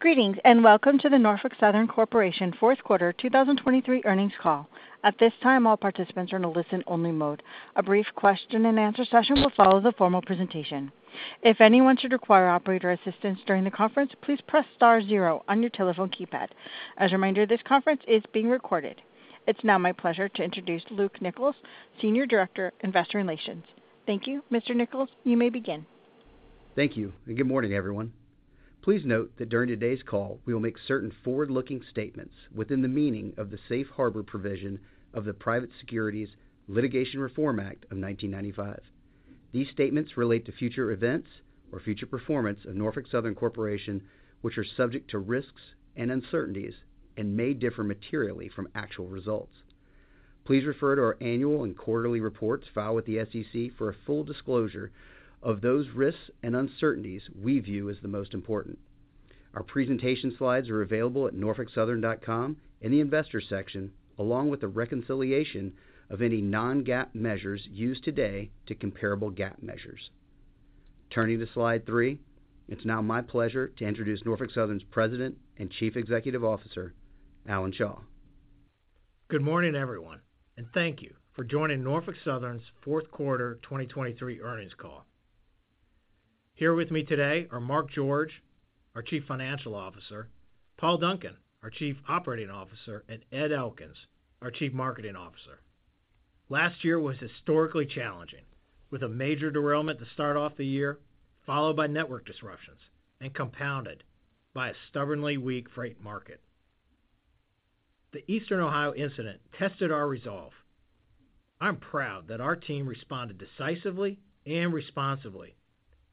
Greetings, and welcome to the Norfolk Southern Corporation Fourth Quarter 2023 Earnings Call. At this time, all participants are in a listen-only mode. A brief Q&A will follow the formal presentation. If anyone should require operator assistance during the conference, please press star zero on your telephone keypad. As a reminder, this conference is being recorded. It's now my pleasure to introduce Luke Nichols, Senior Director, Investor Relations. Thank you. Mr. Nichols, you may begin. Thank you, and good morning, everyone. Please note that during today's call, we will make certain forward-looking statements within the meaning of the Safe Harbor provision of the Private Securities Litigation Reform Act of 1995. These statements relate to future events or future performance of Norfolk Southern Corporation, which are subject to risks and uncertainties and may differ materially from actual results. Please refer to our annual and quarterly reports filed with the SEC for a full disclosure of those risks and uncertainties we view as the most important. Our presentation slides are available at norfolksouthern.com in the Investors section, along with the reconciliation of any non-GAAP measures used today to comparable GAAP measures. Turning to slide three, it's now my pleasure to introduce Norfolk Southern's President and Chief Executive Officer, Alan Shaw. Good morning, everyone, and thank you for joining Norfolk Southern's fourth quarter 2023 earnings call. Here with me today are Mark George, our Chief Financial Officer, Paul Duncan, our Chief Operating Officer, and Ed Elkins, our Chief Commercial Officer. Last year was historically challenging, with a major derailment to start off the year, followed by network disruptions and compounded by a stubbornly weak freight market. The Eastern Ohio incident tested our resolve. I'm proud that our team responded decisively and responsibly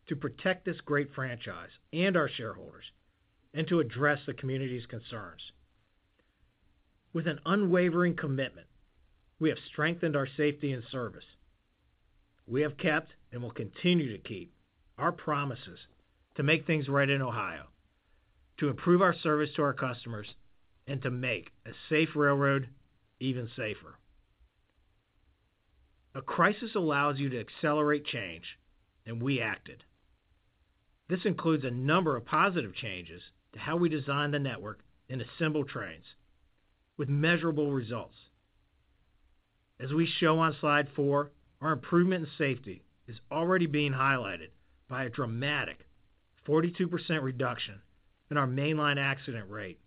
to protect this great franchise and our shareholders and to address the community's concerns. With an unwavering commitment, we have strengthened our safety and service. We have kept and will continue to keep our promises to make things right in Ohio, to improve our service to our customers, and to make a safe railroad even safer. A crisis allows you to accelerate change, and we acted. This includes a number of positive changes to how we design the network and assemble trains with measurable results. As we show on slide four, our improvement in safety is already being highlighted by a dramatic 42% reduction in our mainline accident rate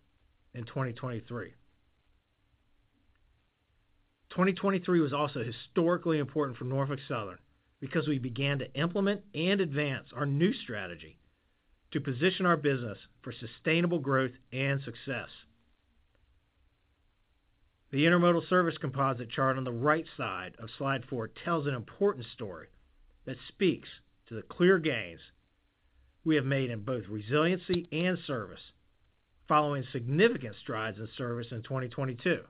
in 2023. 2023 was also historically important for Norfolk Southern because we began to implement and advance our new strategy to position our business for sustainable growth and success. The intermodal service composite chart on the right side of slide four tells an important story that speaks to the clear gains we have made in both resiliency and service, following significant strides in service in 2022.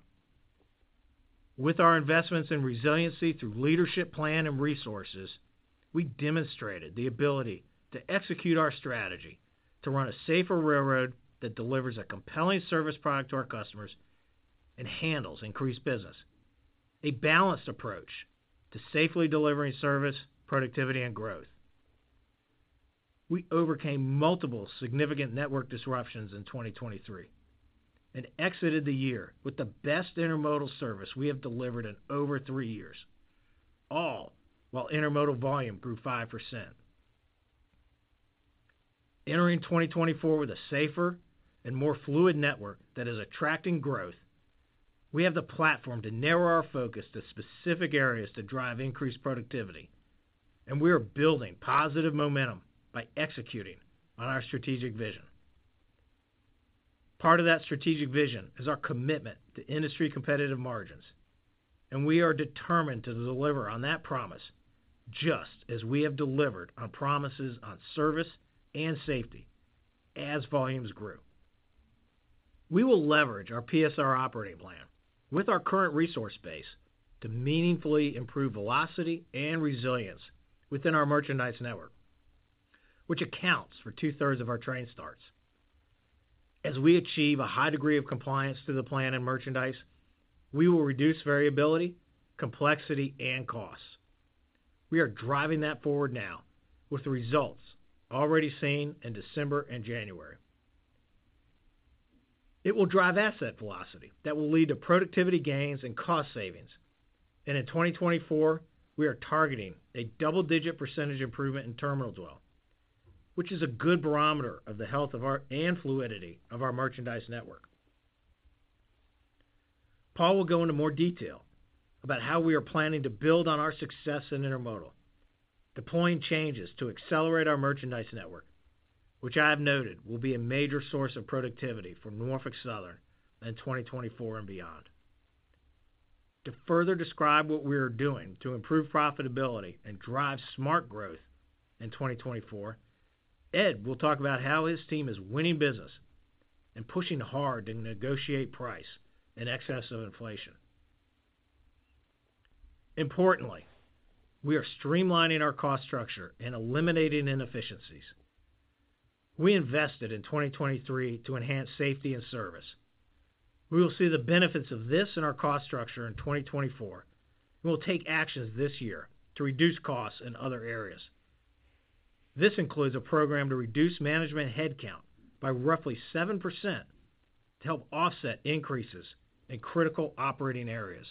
With our investments in resiliency through leadership, plan, and resources, we demonstrated the ability to execute our strategy to run a safer railroad that delivers a compelling service product to our customers and handles increased business, a balanced approach to safely delivering service, productivity, and growth. We overcame multiple significant network disruptions in 2023 and exited the year with the best intermodal service we have delivered in over three years, all while intermodal volume grew 5%. Entering 2024 with a safer and more fluid network that is attracting growth, we have the platform to narrow our focus to specific areas to drive increased productivity, and we are building positive momentum by executing on our strategic vision. Part of that strategic vision is our commitment to industry-competitive margins, and we are determined to deliver on that promise, just as we have delivered on promises on service and safety as volumes grew. We will leverage our PSR operating plan with our current resource base to meaningfully improve velocity and resilience within our merchandise network, which accounts for 2/3 of our train starts. As we achieve a high degree of compliance to the plan and merchandise, we will reduce variability, complexity, and costs. We are driving that forward now with the results already seen in December and January. It will drive asset velocity that will lead to productivity gains and cost savings. In 2024, we are targeting a double-digit percent improvement in terminal dwell, which is a good barometer of the health of our and fluidity of our merchandise network. Paul will go into more detail about how we are planning to build on our success in intermodal, deploying changes to accelerate our merchandise network, which I have noted will be a major source of productivity for Norfolk Southern in 2024 and beyond. To further describe what we are doing to improve profitability and drive smart growth in 2024, Ed will talk about how his team is winning business and pushing hard to negotiate price in excess of inflation. Importantly, we are streamlining our cost structure and eliminating inefficiencies. We invested in 2023 to enhance safety and service. We will see the benefits of this in our cost structure in 2024. We'll take actions this year to reduce costs in other areas. This includes a program to reduce management headcount by roughly 7% to help offset increases in critical operating areas.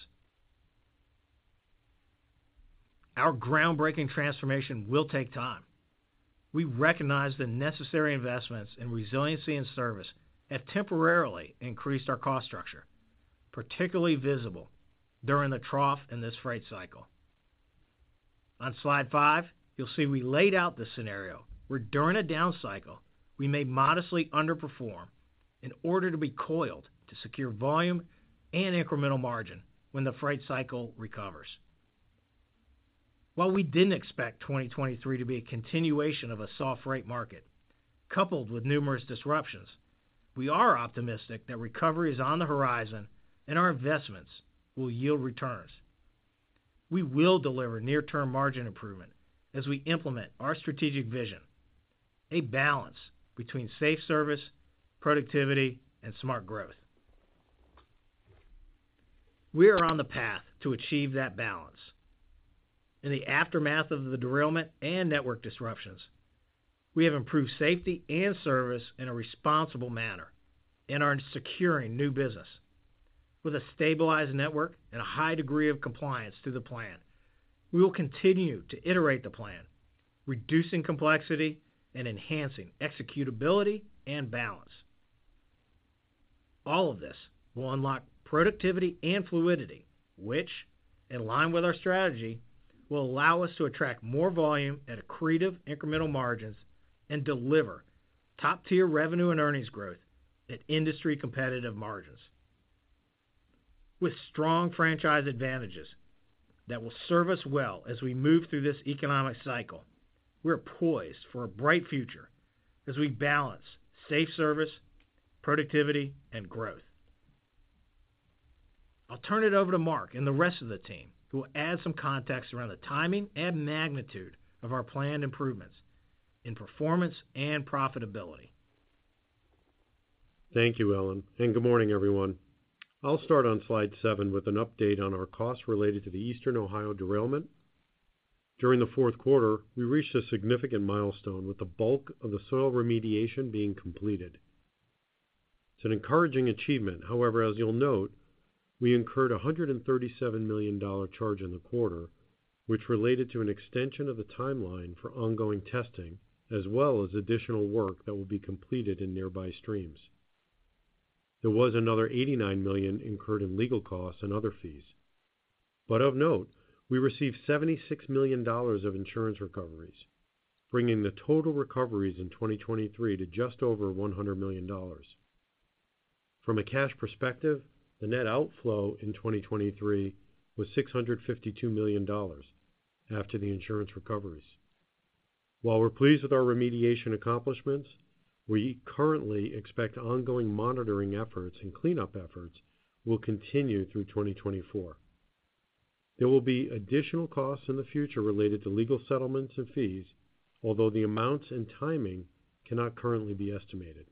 Our groundbreaking transformation will take time. We recognize the necessary investments in resiliency and service have temporarily increased our cost structure, particularly visible during the trough in this freight cycle. On slide five, you'll see we laid out the scenario where, during a down cycle, we may modestly underperform in order to be coiled to secure volume and incremental margin when the freight cycle recovers. While we didn't expect 2023 to be a continuation of a soft rate market, coupled with numerous disruptions, we are optimistic that recovery is on the horizon and our investments will yield returns. We will deliver near-term margin improvement as we implement our strategic vision, a balance between safe service, productivity, and smart growth. We are on the path to achieve that balance. In the aftermath of the derailment and network disruptions, we have improved safety and service in a responsible manner and are securing new business. With a stabilized network and a high degree of compliance to the plan, we will continue to iterate the plan, reducing complexity and enhancing executability and balance. All of this will unlock productivity and fluidity, which, in line with our strategy, will allow us to attract more volume at accretive incremental margins and deliver top-tier revenue and earnings growth at industry competitive margins. With strong franchise advantages that will serve us well as we move through this economic cycle, we're poised for a bright future as we balance safe service, productivity, and growth. I'll turn it over to Mark and the rest of the team, who will add some context around the timing and magnitude of our planned improvements in performance and profitability. Thank you, Alan, and good morning, everyone. I'll start on slide seven with an update on our costs related to the Eastern Ohio derailment. During the fourth quarter, we reached a significant milestone, with the bulk of the soil remediation being completed. It's an encouraging achievement. However, as you'll note, we incurred a $137 million charge in the quarter, which related to an extension of the timeline for ongoing testing, as well as additional work that will be completed in nearby streams. There was another $89 million incurred in legal costs and other fees. But of note, we received $76 million of insurance recoveries, bringing the total recoveries in 2023 to just over $100 million. From a cash perspective, the net outflow in 2023 was $652 million after the insurance recoveries. While we're pleased with our remediation accomplishments, we currently expect ongoing monitoring efforts and cleanup efforts will continue through 2024. There will be additional costs in the future related to legal settlements and fees, although the amounts and timing cannot currently be estimated.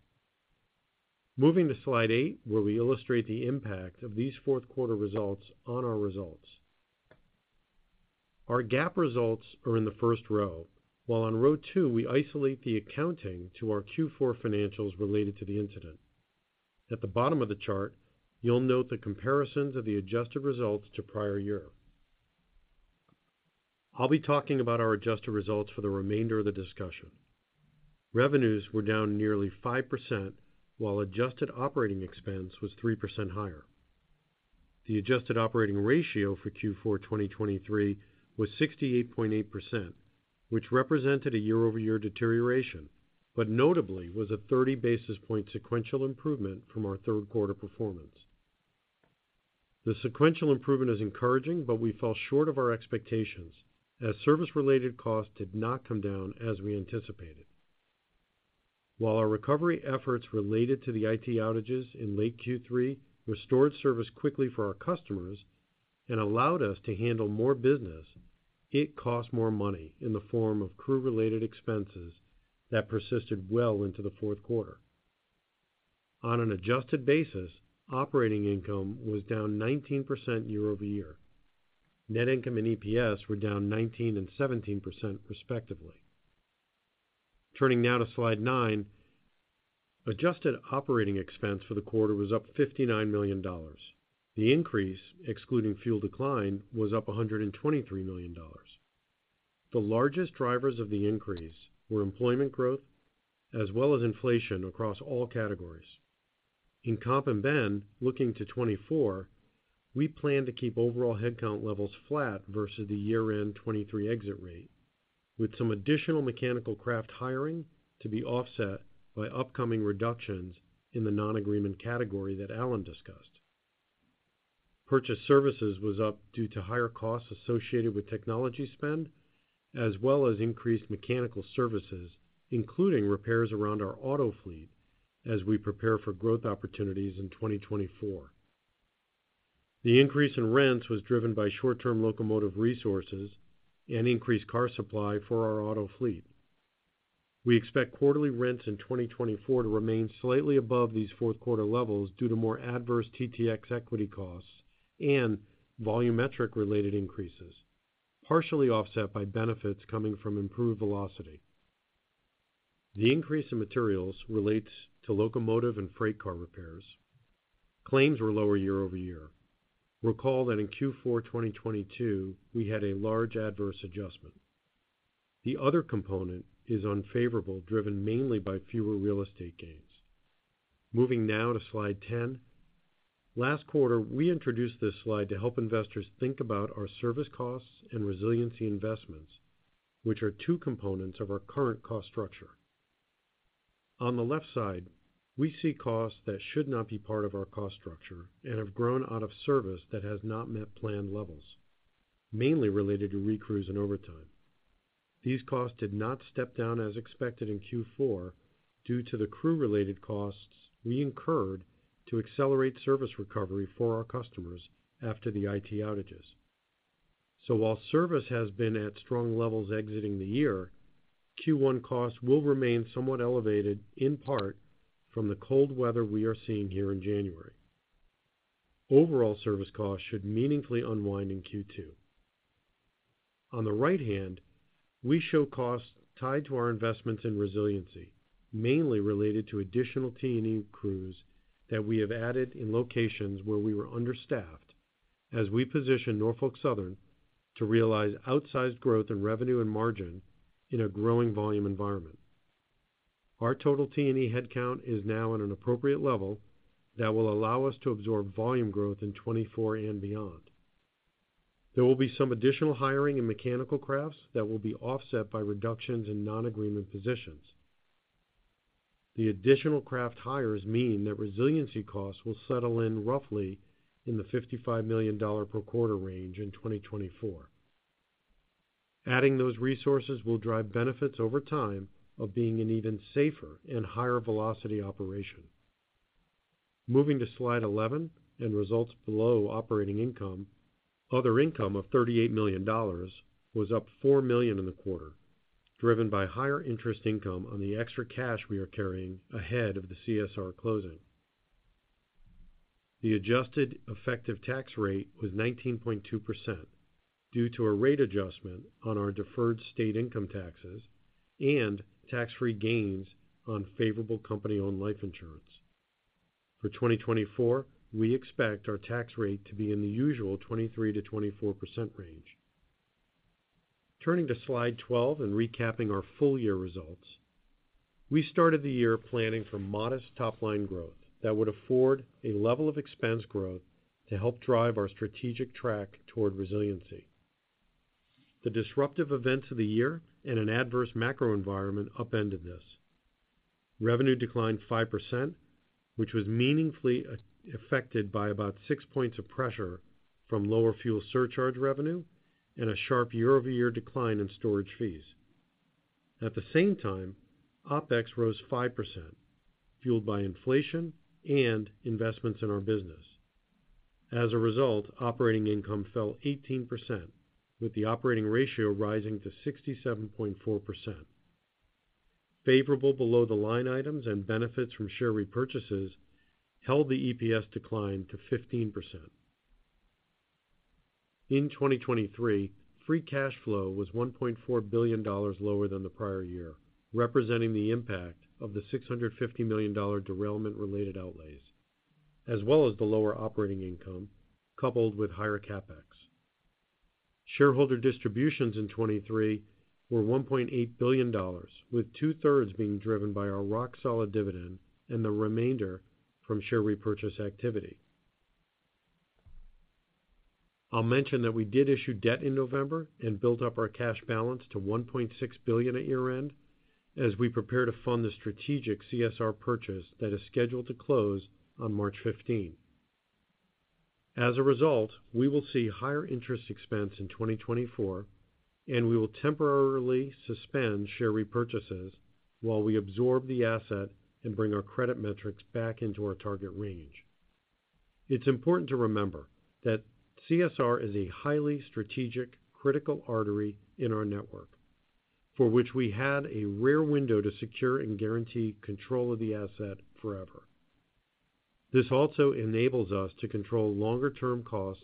Moving to slide eight, where we illustrate the impact of these fourth quarter results on our results. Our GAAP results are in the first row, while on row two, we isolate the accounting to our Q4 financials related to the incident. At the bottom of the chart, you'll note the comparisons of the adjusted results to prior year. I'll be talking about our adjusted results for the remainder of the discussion. Revenues were down nearly 5%, while adjusted operating expense was 3% higher. The adjusted operating ratio for Q4 2023 was 68.8%, which represented a year-over-year deterioration, but notably was a 30 basis point sequential improvement from our third quarter performance. The sequential improvement is encouraging, but we fall short of our expectations as service-related costs did not come down as we anticipated. While our recovery efforts related to the IT outages in late Q3 restored service quickly for our customers and allowed us to handle more business, it cost more money in the form of crew-related expenses that persisted well into the fourth quarter. On an adjusted basis, operating income was down 19% year over year. Net income and EPS were down 19% and 17%, respectively. Turning now to slide nine, adjusted operating expense for the quarter was up $59 million. The increase, excluding fuel decline, was up $123 million. The largest drivers of the increase were employment growth, as well as inflation across all categories. In comp and bend, looking to 2024, we plan to keep overall headcount levels flat versus the year-end 2023 exit rate, with some additional mechanical craft hiring to be offset by upcoming reductions in the non-agreement category that Alan discussed. Purchase services was up due to higher costs associated with technology spend, as well as increased mechanical services, including repairs around our auto fleet as we prepare for growth opportunities in 2024. The increase in rents was driven by short-term locomotive resources and increased car supply for our auto fleet. We expect quarterly rents in 2024 to remain slightly above these fourth quarter levels due to more adverse TTX equity costs and volumetric-related increases, partially offset by benefits coming from improved velocity. The increase in materials relates to locomotive and freight car repairs. Claims were lower year-over-year. Recall that in Q4 2022, we had a large adverse adjustment. The other component is unfavorable, driven mainly by fewer real estate gains. Moving now to slide 10. Last quarter, we introduced this slide to help investors think about our service costs and resiliency investments, which are two components of our current cost structure. On the left side, we see costs that should not be part of our cost structure and have grown out of service that has not met planned levels, mainly related to re-crews and overtime. These costs did not step down as expected in Q4 due to the crew-related costs we incurred to accelerate service recovery for our customers after the IT outages. So while service has been at strong levels exiting the year, Q1 costs will remain somewhat elevated, in part from the cold weather we are seeing here in January. Overall, service costs should meaningfully unwind in Q2. On the right hand, we show costs tied to our investments in resiliency, mainly related to additional T&E crews that we have added in locations where we were understaffed as we position Norfolk Southern to realize outsized growth in revenue and margin in a growing volume environment. Our total T&E headcount is now at an appropriate level that will allow us to absorb volume growth in 2024 and beyond. There will be some additional hiring in mechanical crafts that will be offset by reductions in non-agreement positions. The additional craft hires mean that resiliency costs will settle in roughly in the $55 million per quarter range in 2024. Adding those resources will drive benefits over time of being an even safer and higher velocity operation. Moving to slide 11 and results below operating income. Other income of $38 million was up $4 million in the quarter, driven by higher interest income on the extra cash we are carrying ahead of the CSR closing. The adjusted effective tax rate was 19.2% due to a rate adjustment on our deferred state income taxes and tax-free gains on favorable company-owned life insurance. For 2024, we expect our tax rate to be in the usual 23%-24% range. Turning to slide 12 and recapping our full year results. We started the year planning for modest top-line growth that would afford a level of expense growth to help drive our strategic track toward resiliency. The disruptive events of the year and an adverse macro environment upended this. Revenue declined 5%, which was meaningfully affected by about six points of pressure from lower fuel surcharge revenue and a sharp year-over-year decline in storage fees. At the same time, OpEx rose 5%, fueled by inflation and investments in our business. As a result, operating income fell 18%, with the operating ratio rising to 67.4%. Favorable below-the-line items and benefits from share repurchases held the EPS decline to 15%. In 2023, free cash flow was $1.4 billion lower than the prior year, representing the impact of the $650 million derailment-related outlays, as well as the lower operating income, coupled with higher CapEx. Shareholder distributions in 2023 were $1.8 billion, with 2/3 being driven by our rock-solid dividend and the remainder from share repurchase activity. I'll mention that we did issue debt in November and built up our cash balance to $1.6 billion at year-end as we prepare to fund the strategic CSR purchase that is scheduled to close on March 15th. As a result, we will see higher interest expense in 2024, and we will temporarily suspend share repurchases while we absorb the asset and bring our credit metrics back into our target range. It's important to remember that CSR is a highly strategic, critical artery in our network, for which we had a rare window to secure and guarantee control of the asset forever. This also enables us to control longer-term costs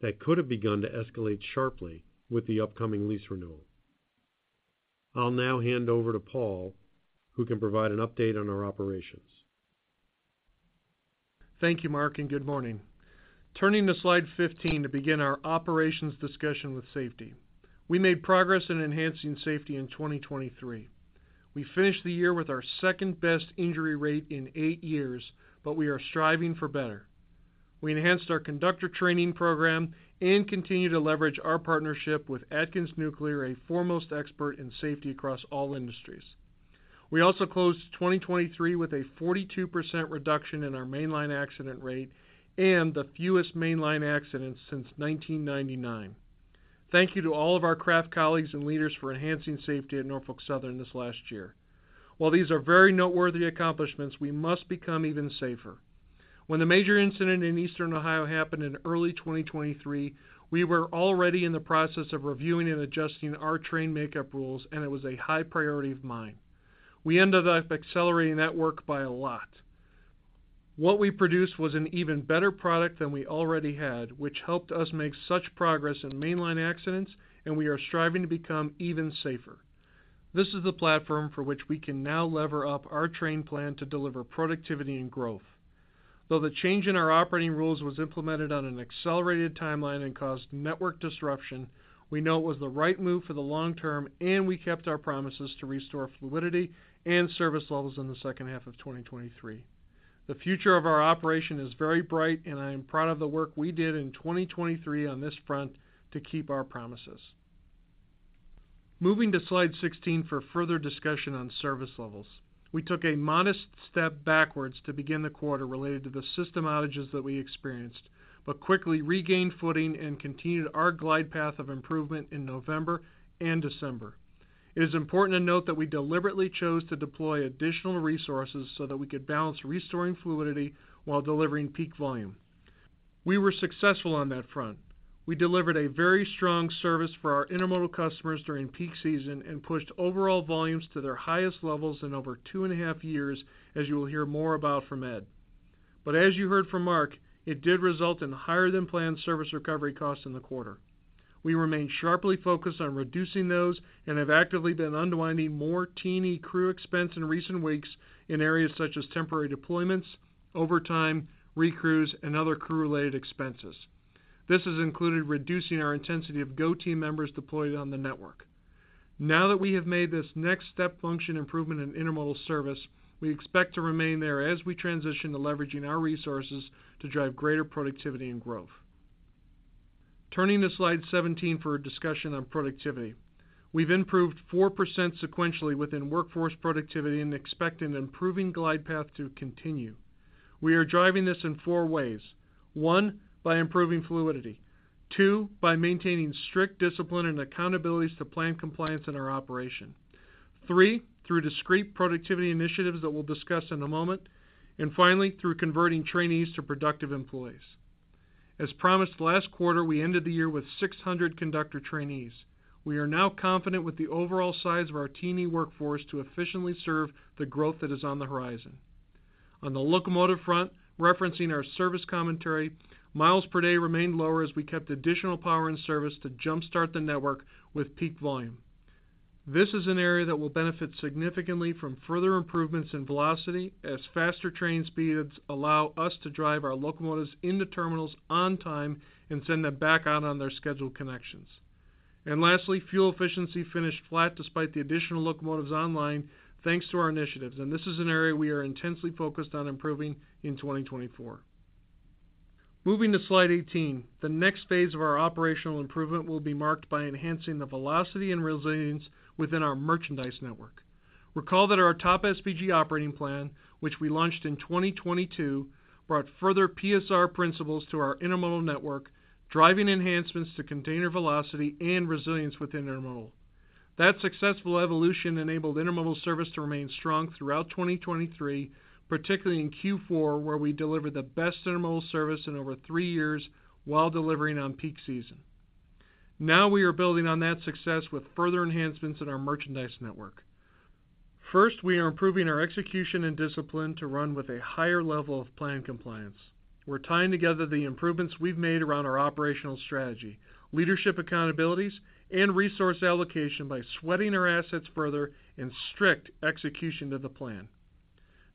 that could have begun to escalate sharply with the upcoming lease renewal. I'll now hand over to Paul, who can provide an update on our operations. Thank you, Mark, and good morning. Turning to slide 15 to begin our operations discussion with safety. We made progress in enhancing safety in 2023. We finished the year with our second-best injury rate in eight years, but we are striving for better. We enhanced our conductor training program and continue to leverage our partnership with Atkins Nuclear, a foremost expert in safety across all industries. We also closed 2023 with a 42% reduction in our main line accident rate and the fewest main line accidents since 1999. Thank you to all of our craft colleagues and leaders for enhancing safety at Norfolk Southern this last year. While these are very noteworthy accomplishments, we must become even safer. When the major incident in Eastern Ohio happened in early 2023, we were already in the process of reviewing and adjusting our train makeup rules, and it was a high priority of mine. We ended up accelerating that work by a lot. What we produced was an even better product than we already had, which helped us make such progress in mainline accidents, and we are striving to become even safer. This is the platform for which we can now lever up our train plan to deliver productivity and growth. Though the change in our operating rules was implemented on an accelerated timeline and caused network disruption, we know it was the right move for the long term, and we kept our promises to restore fluidity and service levels in the second half of 2023. The future of our operation is very bright, and I am proud of the work we did in 2023 on this front to keep our promises. Moving to slide 16 for further discussion on service levels. We took a modest step backwards to begin the quarter related to the system outages that we experienced, but quickly regained footing and continued our glide path of improvement in November and December. It is important to note that we deliberately chose to deploy additional resources so that we could balance restoring fluidity while delivering peak volume. We were successful on that front. We delivered a very strong service for our intermodal customers during peak season and pushed overall volumes to their highest levels in over two and a half years, as you will hear more about from Ed. But as you heard from Mark, it did result in higher than planned service recovery costs in the quarter. We remain sharply focused on reducing those and have actively been unwinding more T&E crew expense in recent weeks in areas such as temporary deployments, overtime, recrews, and other crew-related expenses. This has included reducing our intensity of Go Team members deployed on the network. Now that we have made this next step function improvement in intermodal service, we expect to remain there as we transition to leveraging our resources to drive greater productivity and growth. Turning to slide 17 for a discussion on productivity. We've improved 4% sequentially within workforce productivity and expect an improving glide path to continue. We are driving this in four ways. One, by improving fluidity. Two, by maintaining strict discipline and accountabilities to plan compliance in our operation. Three, through discrete productivity initiatives that we'll discuss in a moment. And finally, through converting trainees to productive employees. As promised last quarter, we ended the year with 600 conductor trainees. We are now confident with the overall size of our T&E workforce to efficiently serve the growth that is on the horizon. On the locomotive front, referencing our service commentary, miles per day remained lower as we kept additional power in service to jumpstart the network with peak volume. This is an area that will benefit significantly from further improvements in velocity, as faster train speeds allow us to drive our locomotives into terminals on time and send them back out on their scheduled connections. And lastly, fuel efficiency finished flat despite the additional locomotives online, thanks to our initiatives, and this is an area we are intensely focused on improving in 2024. Moving to slide 18, the next phase of our operational improvement will be marked by enhancing the velocity and resilience within our merchandise network. Recall that our TOP|SPG operating plan, which we launched in 2022, brought further PSR principles to our intermodal network, driving enhancements to container velocity and resilience within intermodal. That successful evolution enabled intermodal service to remain strong throughout 2023, particularly in Q4, where we delivered the best intermodal service in over three years while delivering on peak season. Now we are building on that success with further enhancements in our merchandise network. First, we are improving our execution and discipline to run with a higher level of plan compliance. We're tying together the improvements we've made around our operational strategy, leadership accountabilities, and resource allocation by sweating our assets further and strict execution of the plan.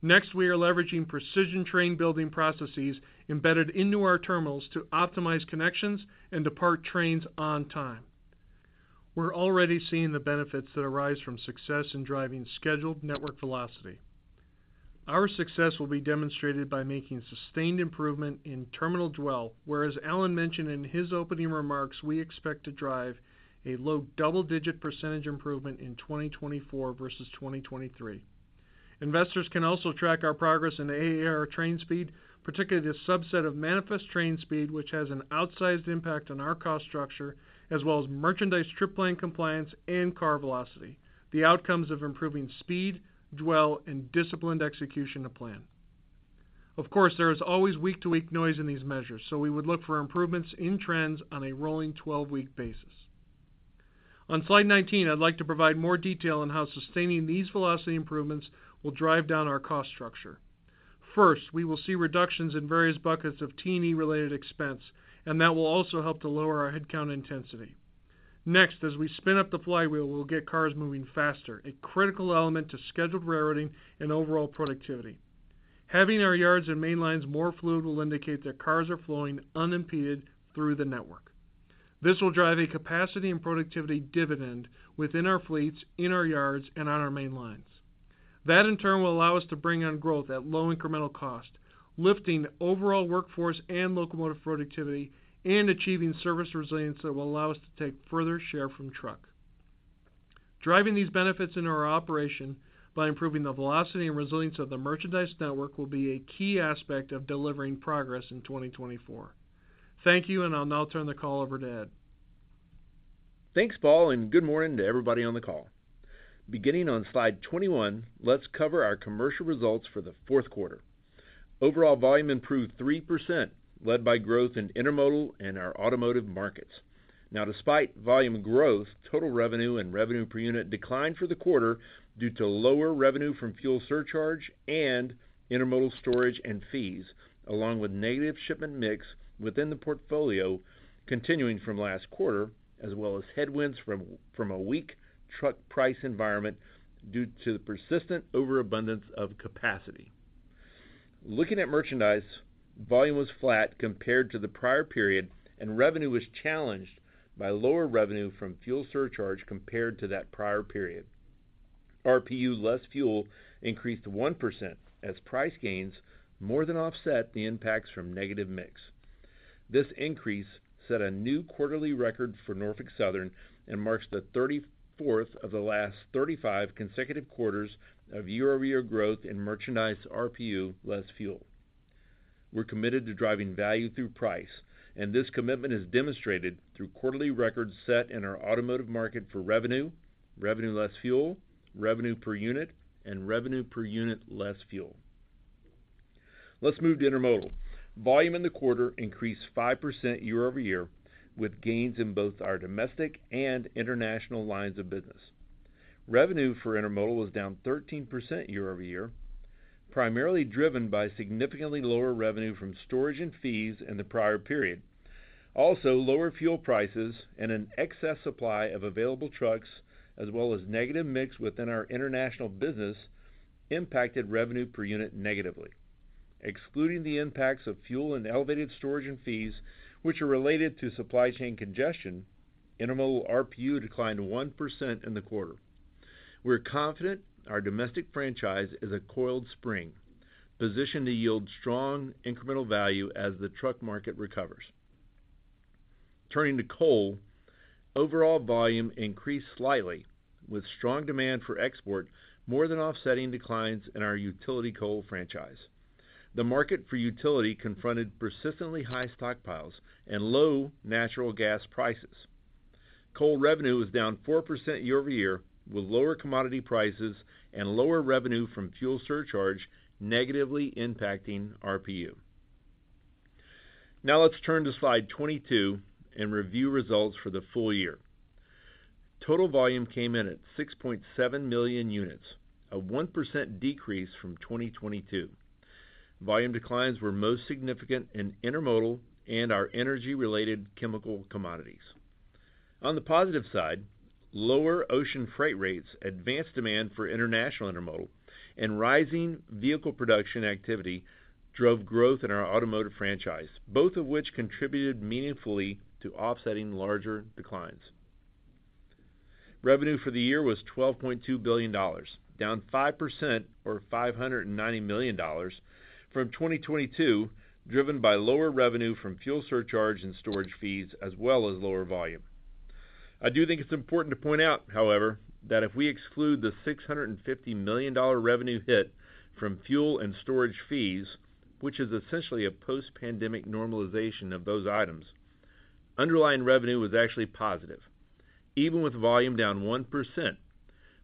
Next, we are leveraging precision train building processes embedded into our terminals to optimize connections and depart trains on time. We're already seeing the benefits that arise from success in driving scheduled network velocity. Our success will be demonstrated by making sustained improvement in terminal dwell, where, as Alan mentioned in his opening remarks, we expect to drive a low double-digit percent improvement in 2024 versus 2023. Investors can also track our progress in AAR train speed, particularly the subset of manifest train speed, which has an outsized impact on our cost structure, as well as merchandise trip plan compliance and car velocity, the outcomes of improving speed, dwell, and disciplined execution of plan. Of course, there is always week-to-week noise in these measures, so we would look for improvements in trends on a rolling 12-week basis. On slide 19, I'd like to provide more detail on how sustaining these velocity improvements will drive down our cost structure. First, we will see reductions in various buckets of T&E-related expense, and that will also help to lower our headcount intensity. Next, as we spin up the flywheel, we'll get cars moving faster, a critical element to scheduled rerouting and overall productivity. Having our yards and main lines more fluid will indicate that cars are flowing unimpeded through the network. This will drive a capacity and productivity dividend within our fleets, in our yards, and on our main lines. That, in turn, will allow us to bring on growth at low incremental cost, lifting overall workforce and locomotive productivity and achieving service resilience that will allow us to take further share from truck.... Driving these benefits into our operation by improving the velocity and resilience of the merchandise network will be a key aspect of delivering progress in 2024. Thank you, and I'll now turn the call over to Ed. Thanks, Paul, and good morning to everybody on the call. Beginning on slide 21, let's cover our commercial results for the fourth quarter. Overall volume improved 3%, led by growth in Intermodal and our automotive markets. Now, despite volume growth, total revenue and revenue per unit declined for the quarter due to lower revenue from fuel surcharge and intermodal storage and fees, along with negative shipment mix within the portfolio continuing from last quarter, as well as headwinds from a weak truck price environment due to the persistent overabundance of capacity. Looking at merchandise, volume was flat compared to the prior period, and revenue was challenged by lower revenue from fuel surcharge compared to that prior period. RPU less fuel increased 1%, as price gains more than offset the impacts from negative mix. This increase set a new quarterly record for Norfolk Southern and marks the 34th of the last 35 consecutive quarters of year-over-year growth in merchandise RPU less fuel. We're committed to driving value through price, and this commitment is demonstrated through quarterly records set in our automotive market for revenue, revenue less fuel, revenue per unit, and revenue per unit less fuel. Let's move to intermodal. Volume in the quarter increased 5% year-over-year, with gains in both our domestic and international lines of business. Revenue for intermodal was down 13% year-over-year, primarily driven by significantly lower revenue from storage and fees in the prior period. Also, lower fuel prices and an excess supply of available trucks, as well as negative mix within our international business, impacted revenue per unit negatively. Excluding the impacts of fuel and elevated storage and fees, which are related to supply chain congestion, intermodal RPU declined 1% in the quarter. We're confident our domestic franchise is a coiled spring, positioned to yield strong incremental value as the truck market recovers. Turning to coal, overall volume increased slightly, with strong demand for export more than offsetting declines in our utility coal franchise. The market for utility confronted persistently high stockpiles and low natural gas prices. Coal revenue is down 4% year-over-year, with lower commodity prices and lower revenue from fuel surcharge negatively impacting RPU. Now, let's turn to slide 22 and review results for the full year. Total volume came in at 6.7 million units, a 1% decrease from 2022. Volume declines were most significant in intermodal and our energy-related chemical commodities. On the positive side, lower ocean freight rates, advanced demand for international intermodal, and rising vehicle production activity drove growth in our automotive franchise, both of which contributed meaningfully to offsetting larger declines. Revenue for the year was $12.2 billion, down 5% or $590 million from 2022, driven by lower revenue from fuel surcharge and storage fees, as well as lower volume. I do think it's important to point out, however, that if we exclude the $650 million revenue hit from fuel and storage fees, which is essentially a post-pandemic normalization of those items, underlying revenue was actually positive, even with volume down 1%,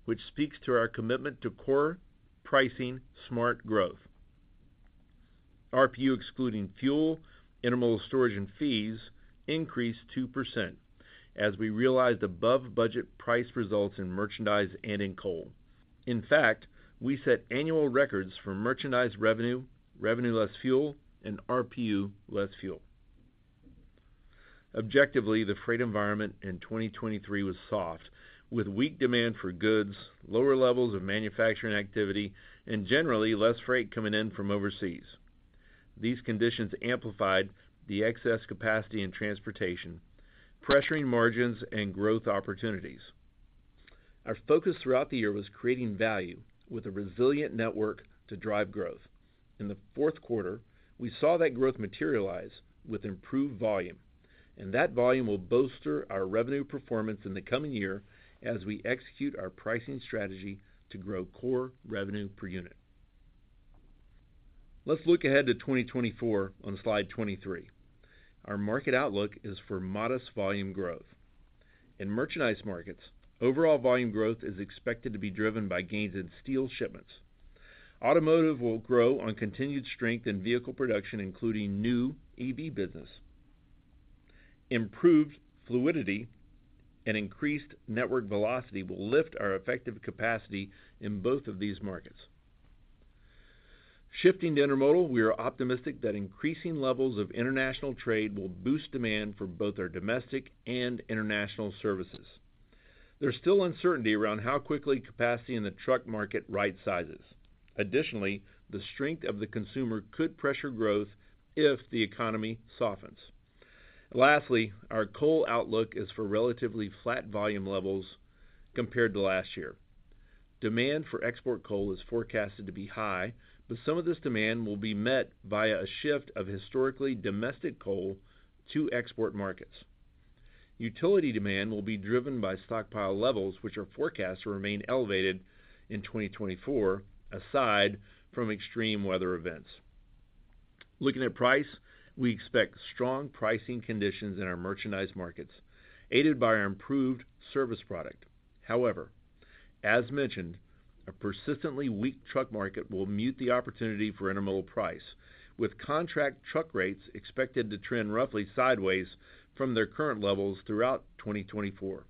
which speaks to our commitment to core pricing smart growth. RPU, excluding fuel, intermodal storage and fees, increased 2% as we realized above-budget price results in merchandise and in coal. In fact, we set annual records for merchandise revenue, revenue less fuel, and RPU less fuel. Objectively, the freight environment in 2023 was soft, with weak demand for goods, lower levels of manufacturing activity, and generally less freight coming in from overseas. These conditions amplified the excess capacity in transportation, pressuring margins and growth opportunities. Our focus throughout the year was creating value with a resilient network to drive growth. In the fourth quarter, we saw that growth materialize with improved volume, and that volume will bolster our revenue performance in the coming year as we execute our pricing strategy to grow core revenue per unit. Let's look ahead to 2024 on slide 23. Our market outlook is for modest volume growth. In merchandise markets, overall volume growth is expected to be driven by gains in steel shipments. Automotive will grow on continued strength in vehicle production, including new EV business. Improved fluidity and increased network velocity will lift our effective capacity in both of these markets. Shifting to intermodal, we are optimistic that increasing levels of international trade will boost demand for both our domestic and international services. There's still uncertainty around how quickly capacity in the truck market right-sizes. Additionally, the strength of the consumer could pressure growth if the economy softens. Lastly, our coal outlook is for relatively flat volume levels compared to last year. Demand for export coal is forecasted to be high, but some of this demand will be met via a shift of historically domestic coal to export markets. Utility demand will be driven by stockpile levels, which are forecast to remain elevated in 2024, aside from extreme weather events. Looking at price, we expect strong pricing conditions in our merchandise markets, aided by our improved service product. However, as mentioned, a persistently weak truck market will mute the opportunity for intermodal price, with contract truck rates expected to trend roughly sideways from their current levels throughout 2024.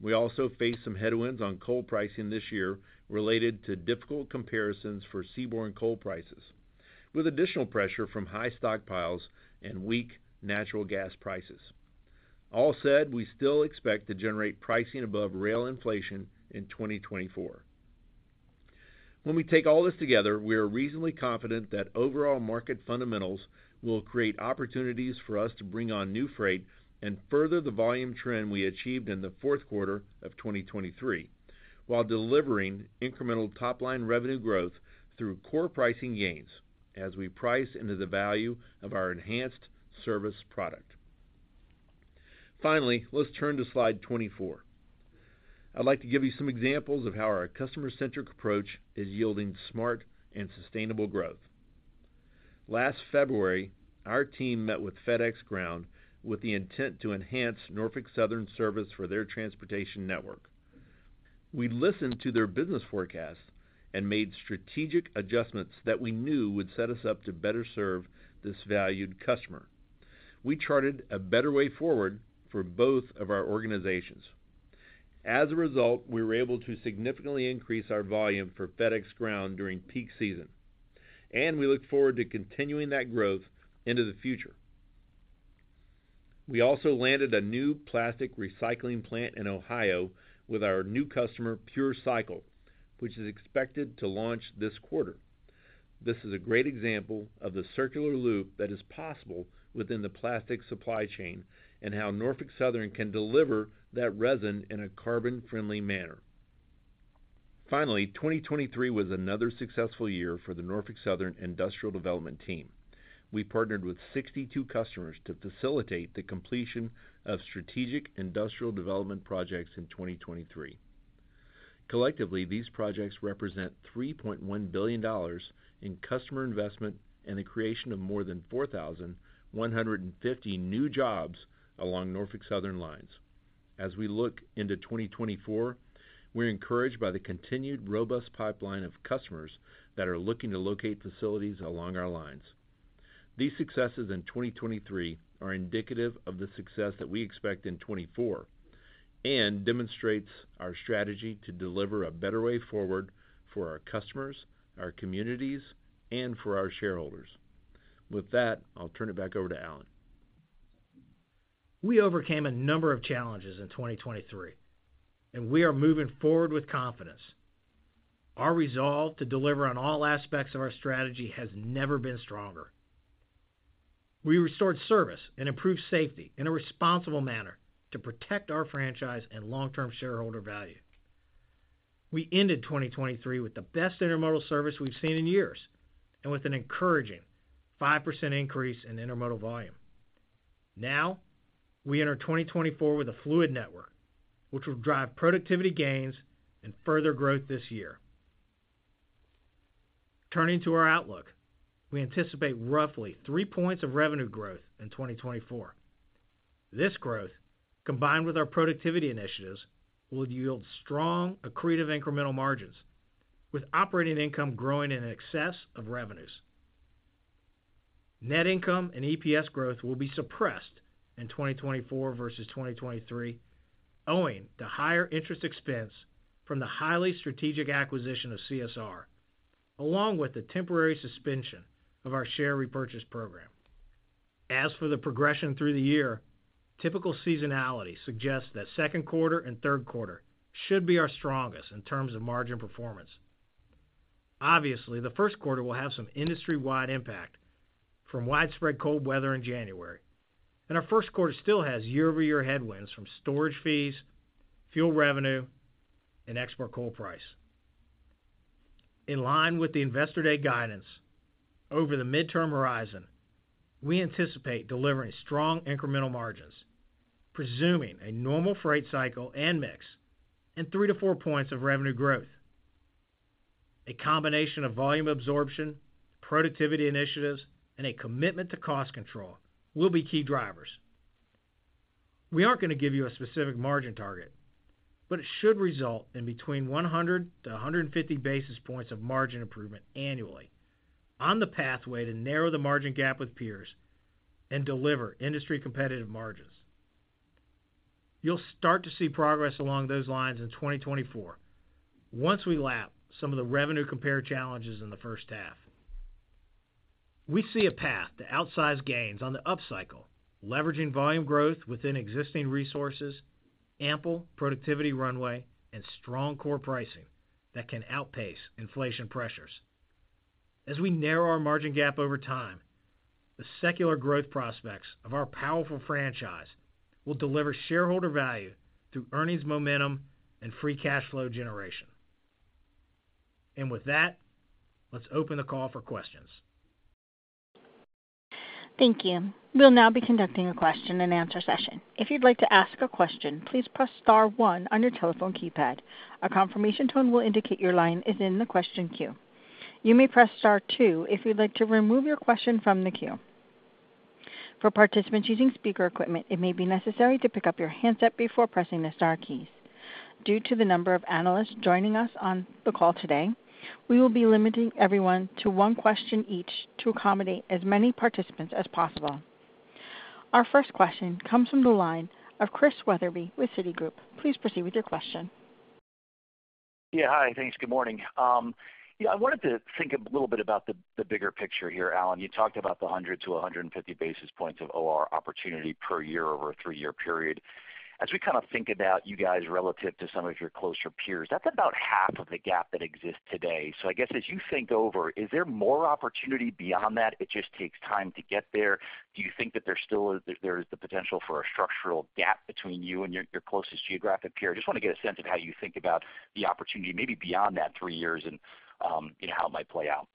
We also face some headwinds on coal pricing this year related to difficult comparisons for seaborne coal prices, with additional pressure from high stockpiles and weak natural gas prices. All said, we still expect to generate pricing above rail inflation in 2024. When we take all this together, we are reasonably confident that overall market fundamentals will create opportunities for us to bring on new freight and further the volume trend we achieved in the fourth quarter of 2023, while delivering incremental top-line revenue growth through core pricing gains as we price into the value of our enhanced service product. Finally, let's turn to slide 24. I'd like to give you some examples of how our customer-centric approach is yielding smart and sustainable growth. Last February, our team met with FedEx Ground with the intent to enhance Norfolk Southern service for their transportation network. We listened to their business forecast and made strategic adjustments that we knew would set us up to better serve this valued customer. We charted a better way forward for both of our organizations. As a result, we were able to significantly increase our volume for FedEx Ground during peak season, and we look forward to continuing that growth into the future. We also landed a new plastic recycling plant in Ohio with our new customer, PureCycle, which is expected to launch this quarter. This is a great example of the circular loop that is possible within the plastic supply chain, and how Norfolk Southern can deliver that resin in a carbon-friendly manner. Finally, 2023 was another successful year for the Norfolk Southern Industrial Development team. We partnered with 62 customers to facilitate the completion of strategic industrial development projects in 2023. Collectively, these projects represent $3.1 billion in customer investment and the creation of more than 4,150 new jobs along Norfolk Southern lines. As we look into 2024, we're encouraged by the continued robust pipeline of customers that are looking to locate facilities along our lines. These successes in 2023 are indicative of the success that we expect in 2024, and demonstrates our strategy to deliver a better way forward for our customers, our communities, and for our shareholders. With that, I'll turn it back over to Alan. We overcame a number of challenges in 2023, and we are moving forward with confidence. Our resolve to deliver on all aspects of our strategy has never been stronger. We restored service and improved safety in a responsible manner to protect our franchise and long-term shareholder value. We ended 2023 with the best intermodal service we've seen in years, and with an encouraging 5% increase in intermodal volume. Now, we enter 2024 with a fluid network, which will drive productivity gains and further growth this year. Turning to our outlook, we anticipate roughly three points of revenue growth in 2024. This growth, combined with our productivity initiatives, will yield strong accretive incremental margins, with operating income growing in excess of revenues. Net income and EPS growth will be suppressed in 2024 versus 2023, owing to higher interest expense from the highly strategic acquisition of CSR, along with the temporary suspension of our share repurchase program. As for the progression through the year, typical seasonality suggests that second quarter and third quarter should be our strongest in terms of margin performance. Obviously, the first quarter will have some industry-wide impact from widespread cold weather in January, and our first quarter still has year-over-year headwinds from storage fees, fuel revenue, and export coal price. In line with the Investor Day guidance, over the midterm horizon, we anticipate delivering strong incremental margins, presuming a normal freight cycle and mix, and three to four points of revenue growth. A combination of volume absorption, productivity initiatives, and a commitment to cost control will be key drivers. We aren't going to give you a specific margin target, but it should result in between 100-150 basis points of margin improvement annually on the pathway to narrow the margin gap with peers and deliver industry competitive margins. You'll start to see progress along those lines in 2024 once we lap some of the revenue compare challenges in the first half. We see a path to outsize gains on the upcycle, leveraging volume growth within existing resources, ample productivity runway, and strong core pricing that can outpace inflation pressures. As we narrow our margin gap over time, the secular growth prospects of our powerful franchise will deliver shareholder value through earnings momentum and free cash flow generation. With that, let's open the call for questions. Thank you. We'll now be conducting a Q&A session. If you'd like to ask a question, please press star one on your telephone keypad. A confirmation tone will indicate your line is in the question queue. You may press star two if you'd like to remove your question from the queue. For participants using speaker equipment, it may be necessary to pick up your handset before pressing the star keys. Due to the number of analysts joining us on the call today, we will be limiting everyone to one question each to accommodate as many participants as possible. Our first question comes from the line of Chris Wetherbee with Citigroup. Please proceed with your question. Yeah, hi. Thanks. Good morning. Yeah, I wanted to think a little bit about the, the bigger picture here, Alan. You talked about the 100-150 basis points of OR opportunity per year over a three-year period. As we kind of think about you guys relative to some of your closer peers, that's about half of the gap that exists today. So I guess, as you think over, is there more opportunity beyond that, it just takes time to get there? Do you think that there still is, there is the potential for a structural gap between you and your, your closest geographic peer? I just wanna get a sense of how you think about the opportunity, maybe beyond that three years, and, how it might play out.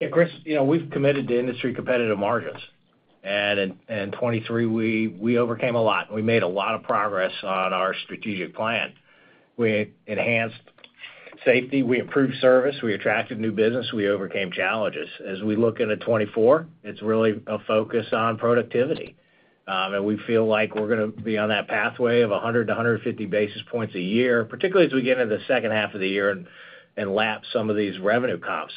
Yeah, Chris, you know, we've committed to industry competitive margins, and in, in 2023, we, we overcame a lot. We made a lot of progress on our strategic plan. We enhanced safety, we improved service, we attracted new business, we overcame challenges. As we look into 2024, it's really a focus on productivity. And we feel like we're gonna be on that pathway of 100-150 basis points a year, particularly as we get into the second half of the year and, and lap some of these revenue comps.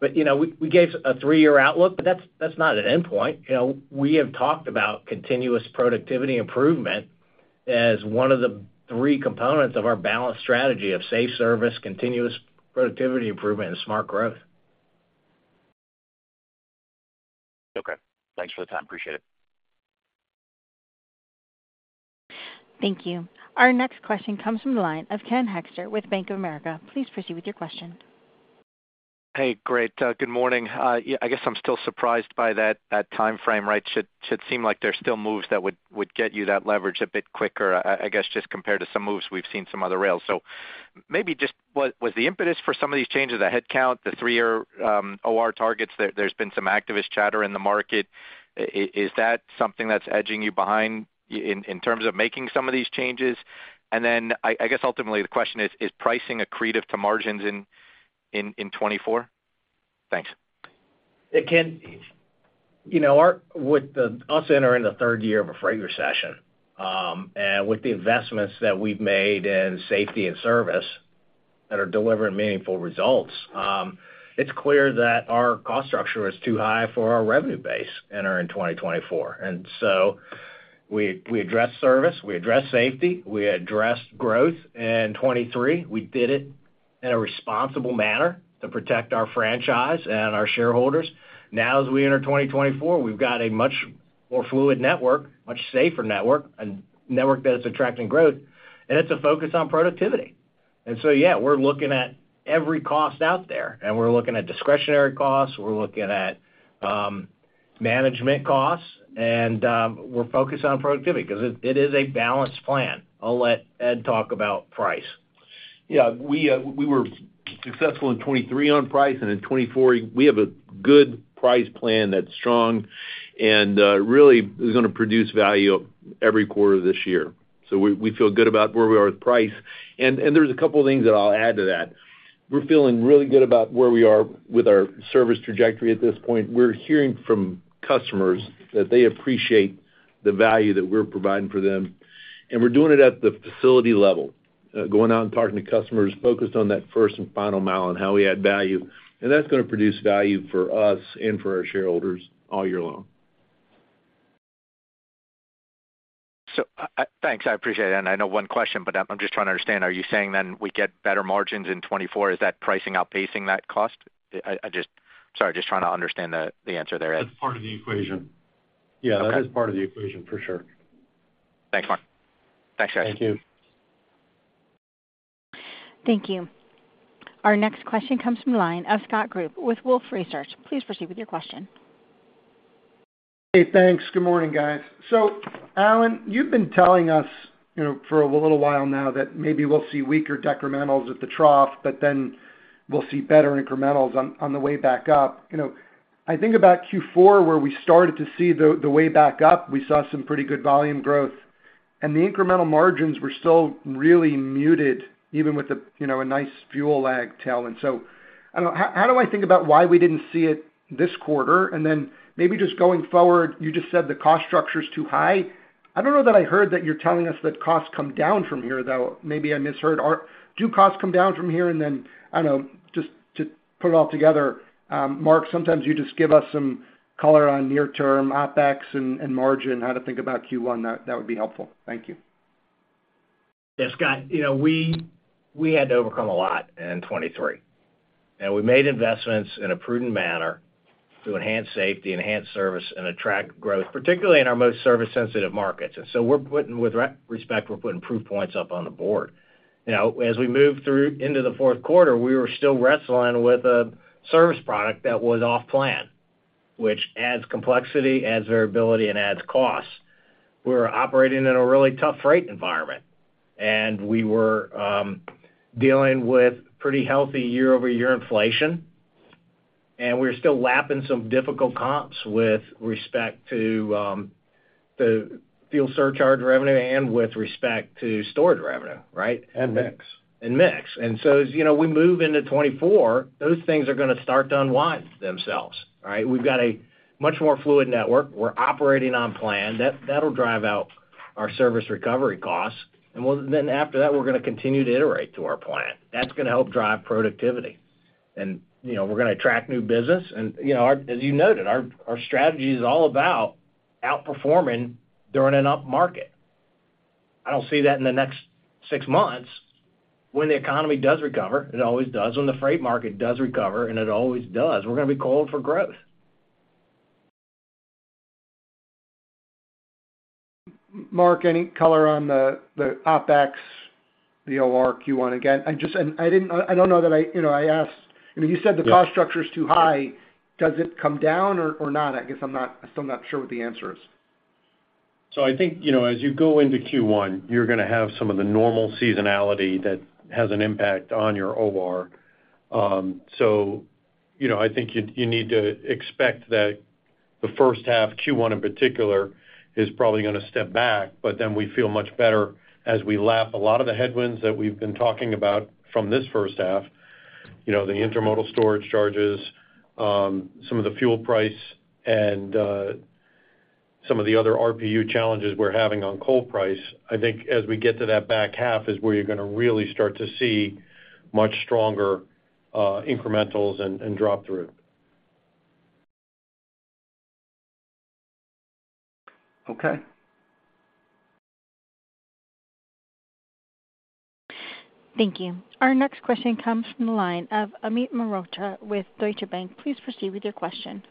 But, you know, we, we gave a three-year outlook, but that's, that's not an endpoint. You know, we have talked about continuous productivity improvement as one of the three components of our balanced strategy of safe service, continuous productivity improvement, and smart growth. Okay. Thanks for the time. Appreciate it. Thank you. Our next question comes from the line of Ken Hoexter with Bank of America. Please proceed with your question. Hey, great. Good morning. Yeah, I guess I'm still surprised by that timeframe, right? Should seem like there's still moves that would get you that leverage a bit quicker, I guess, just compared to some moves we've seen some other rails. So maybe just what was the impetus for some of these changes, the headcount, the three-year OR targets. There's been some activist chatter in the market. Is that something that's edging you behind in terms of making some of these changes? And then, I guess ultimately the question is: Is pricing accretive to margins in 2024? Thanks. Hey, Ken. You know, with us entering the third year of a freight recession, and with the investments that we've made in safety and service that are delivering meaningful results, it's clear that our cost structure is too high for our revenue base entering in 2024. And so we, we addressed service, we addressed safety, we addressed growth in 2023. We did it in a responsible manner to protect our franchise and our shareholders. Now, as we enter 2024, we've got a much more fluid network, much safer network, a network that is attracting growth, and it's a focus on productivity. And so, yeah, we're looking at every cost out there, and we're looking at discretionary costs, we're looking at management costs, and we're focused on productivity 'cause it is a balanced plan. I'll let Ed talk about price. Yeah, we, we were successful in 2023 on price, and in 2024, we have a good price plan that's strong and, really is gonna produce value every quarter this year. So we, we feel good about where we are with price. And, and there's a couple of things that I'll add to that. We're feeling really good about where we are with our service trajectory at this point. We're hearing from customers that they appreciate the value that we're providing for them, and we're doing it at the facility level, going out and talking to customers, focused on that first and final mile and how we add value, and that's gonna produce value for us and for our shareholders all year long. So, thanks. I appreciate it, and I know one question, but I'm just trying to understand: Are you saying then we get better margins in 2024? Is that pricing outpacing that cost? Sorry, just trying to understand the answer there, Ed. That's part of the equation. Okay. Yeah, that is part of the equation, for sure. Thanks a lot. Thanks, guys. Thank you. Thank you. Our next question comes from the line of Scott Group with Wolfe Research. Please proceed with your question. Hey, thanks. Good morning, guys. So Alan, you've been telling us, you know, for a little while now that maybe we'll see weaker decrementals at the trough, but then we'll see better incrementals on, on the way back up. You know, I think about Q4, where we started to see the, the way back up. We saw some pretty good volume growth, and the incremental margins were still really muted, even with a, you know, a nice fuel lag tailwind. So I don't know, how, how do I think about why we didn't see it this quarter? And then maybe just going forward, you just said the cost structure is too high. I don't know that I heard that you're telling us that costs come down from here, though. Maybe I misheard. Do costs come down from here? And then, I don't know, just to put it all together, Mark, sometimes you just give us some color on near-term OpEx and, and margin, how to think about Q1. That, that would be helpful. Thank you. Yeah, Scott, you know, we, we had to overcome a lot in 2023, and we made investments in a prudent manner to enhance safety, enhance service, and attract growth, particularly in our most service-sensitive markets. And so we're putting, with respect, we're putting proof points up on the board. Now, as we move through into the fourth quarter, we were still wrestling with a service product that was off plan, which adds complexity, adds variability, and adds costs. We were operating in a really tough freight environment, and we were dealing with pretty healthy year-over-year inflation, and we were still lapping some difficult comps with respect to the fuel surcharge revenue and with respect to storage revenue, right? And mix. And mix. And so as, you know, we move into 2024, those things are gonna start to unwind themselves, all right? We've got a much more fluid network. We're operating on plan. That, that'll drive out our service recovery costs, and we'll, then after that, we're gonna continue to iterate to our plan. That's gonna help drive productivity. And, you know, we're gonna attract new business, and, you know, our, as you noted, our, our strategy is all about outperforming during an up market. I don't see that in the next six months. When the economy does recover, it always does, when the freight market does recover, and it always does, we're gonna be called for growth. Mark, any color on the OpEx, the OR Q1? Again, I just don't know that I, you know, I asked. I mean, you said the cost structure is too high. Does it come down or, or not? I guess I'm not-- still not sure what the answer is? So I think, you know, as you go into Q1, you're gonna have some of the normal seasonality that has an impact on your OR. So, you know, I think you need to expect that the first half, Q1, in particular, is probably gonna step back, but then we feel much better as we lap a lot of the headwinds that we've been talking about from this first half. You know, the intermodal storage charges, some of the fuel price, and some of the other RPU challenges we're having on coal price. I think as we get to that back half is where you're gonna really start to see much stronger, incrementals and drop through. Okay. Thank you. Our next question comes from the line of Amit Mehrotra with Deutsche Bank. Please proceed with your question.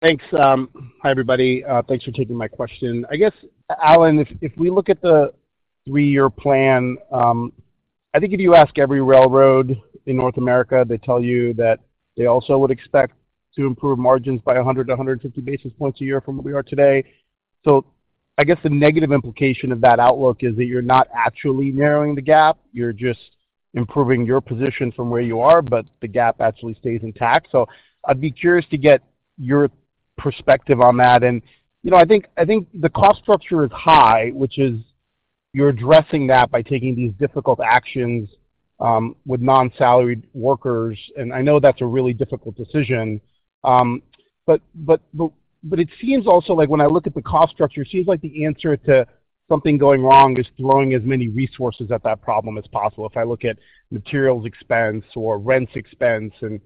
Thanks. Hi, everybody. Thanks for taking my question. I guess, Alan, if we look at the three-year plan, I think if you ask every railroad in North America, they tell you that they also would expect to improve margins by 100-150 basis points a year from where we are today. So I guess the negative implication of that outlook is that you're not actually narrowing the gap, you're just improving your position from where you are, but the gap actually stays intact. So I'd be curious to get your perspective on that. And, you know, I think the cost structure is high, which is, you're addressing that by taking these difficult actions with non-salaried workers, and I know that's a really difficult decision. But it seems also like when I look at the cost structure, it seems like the answer to something going wrong is throwing as many resources at that problem as possible. If I look at materials expense or rents expense and,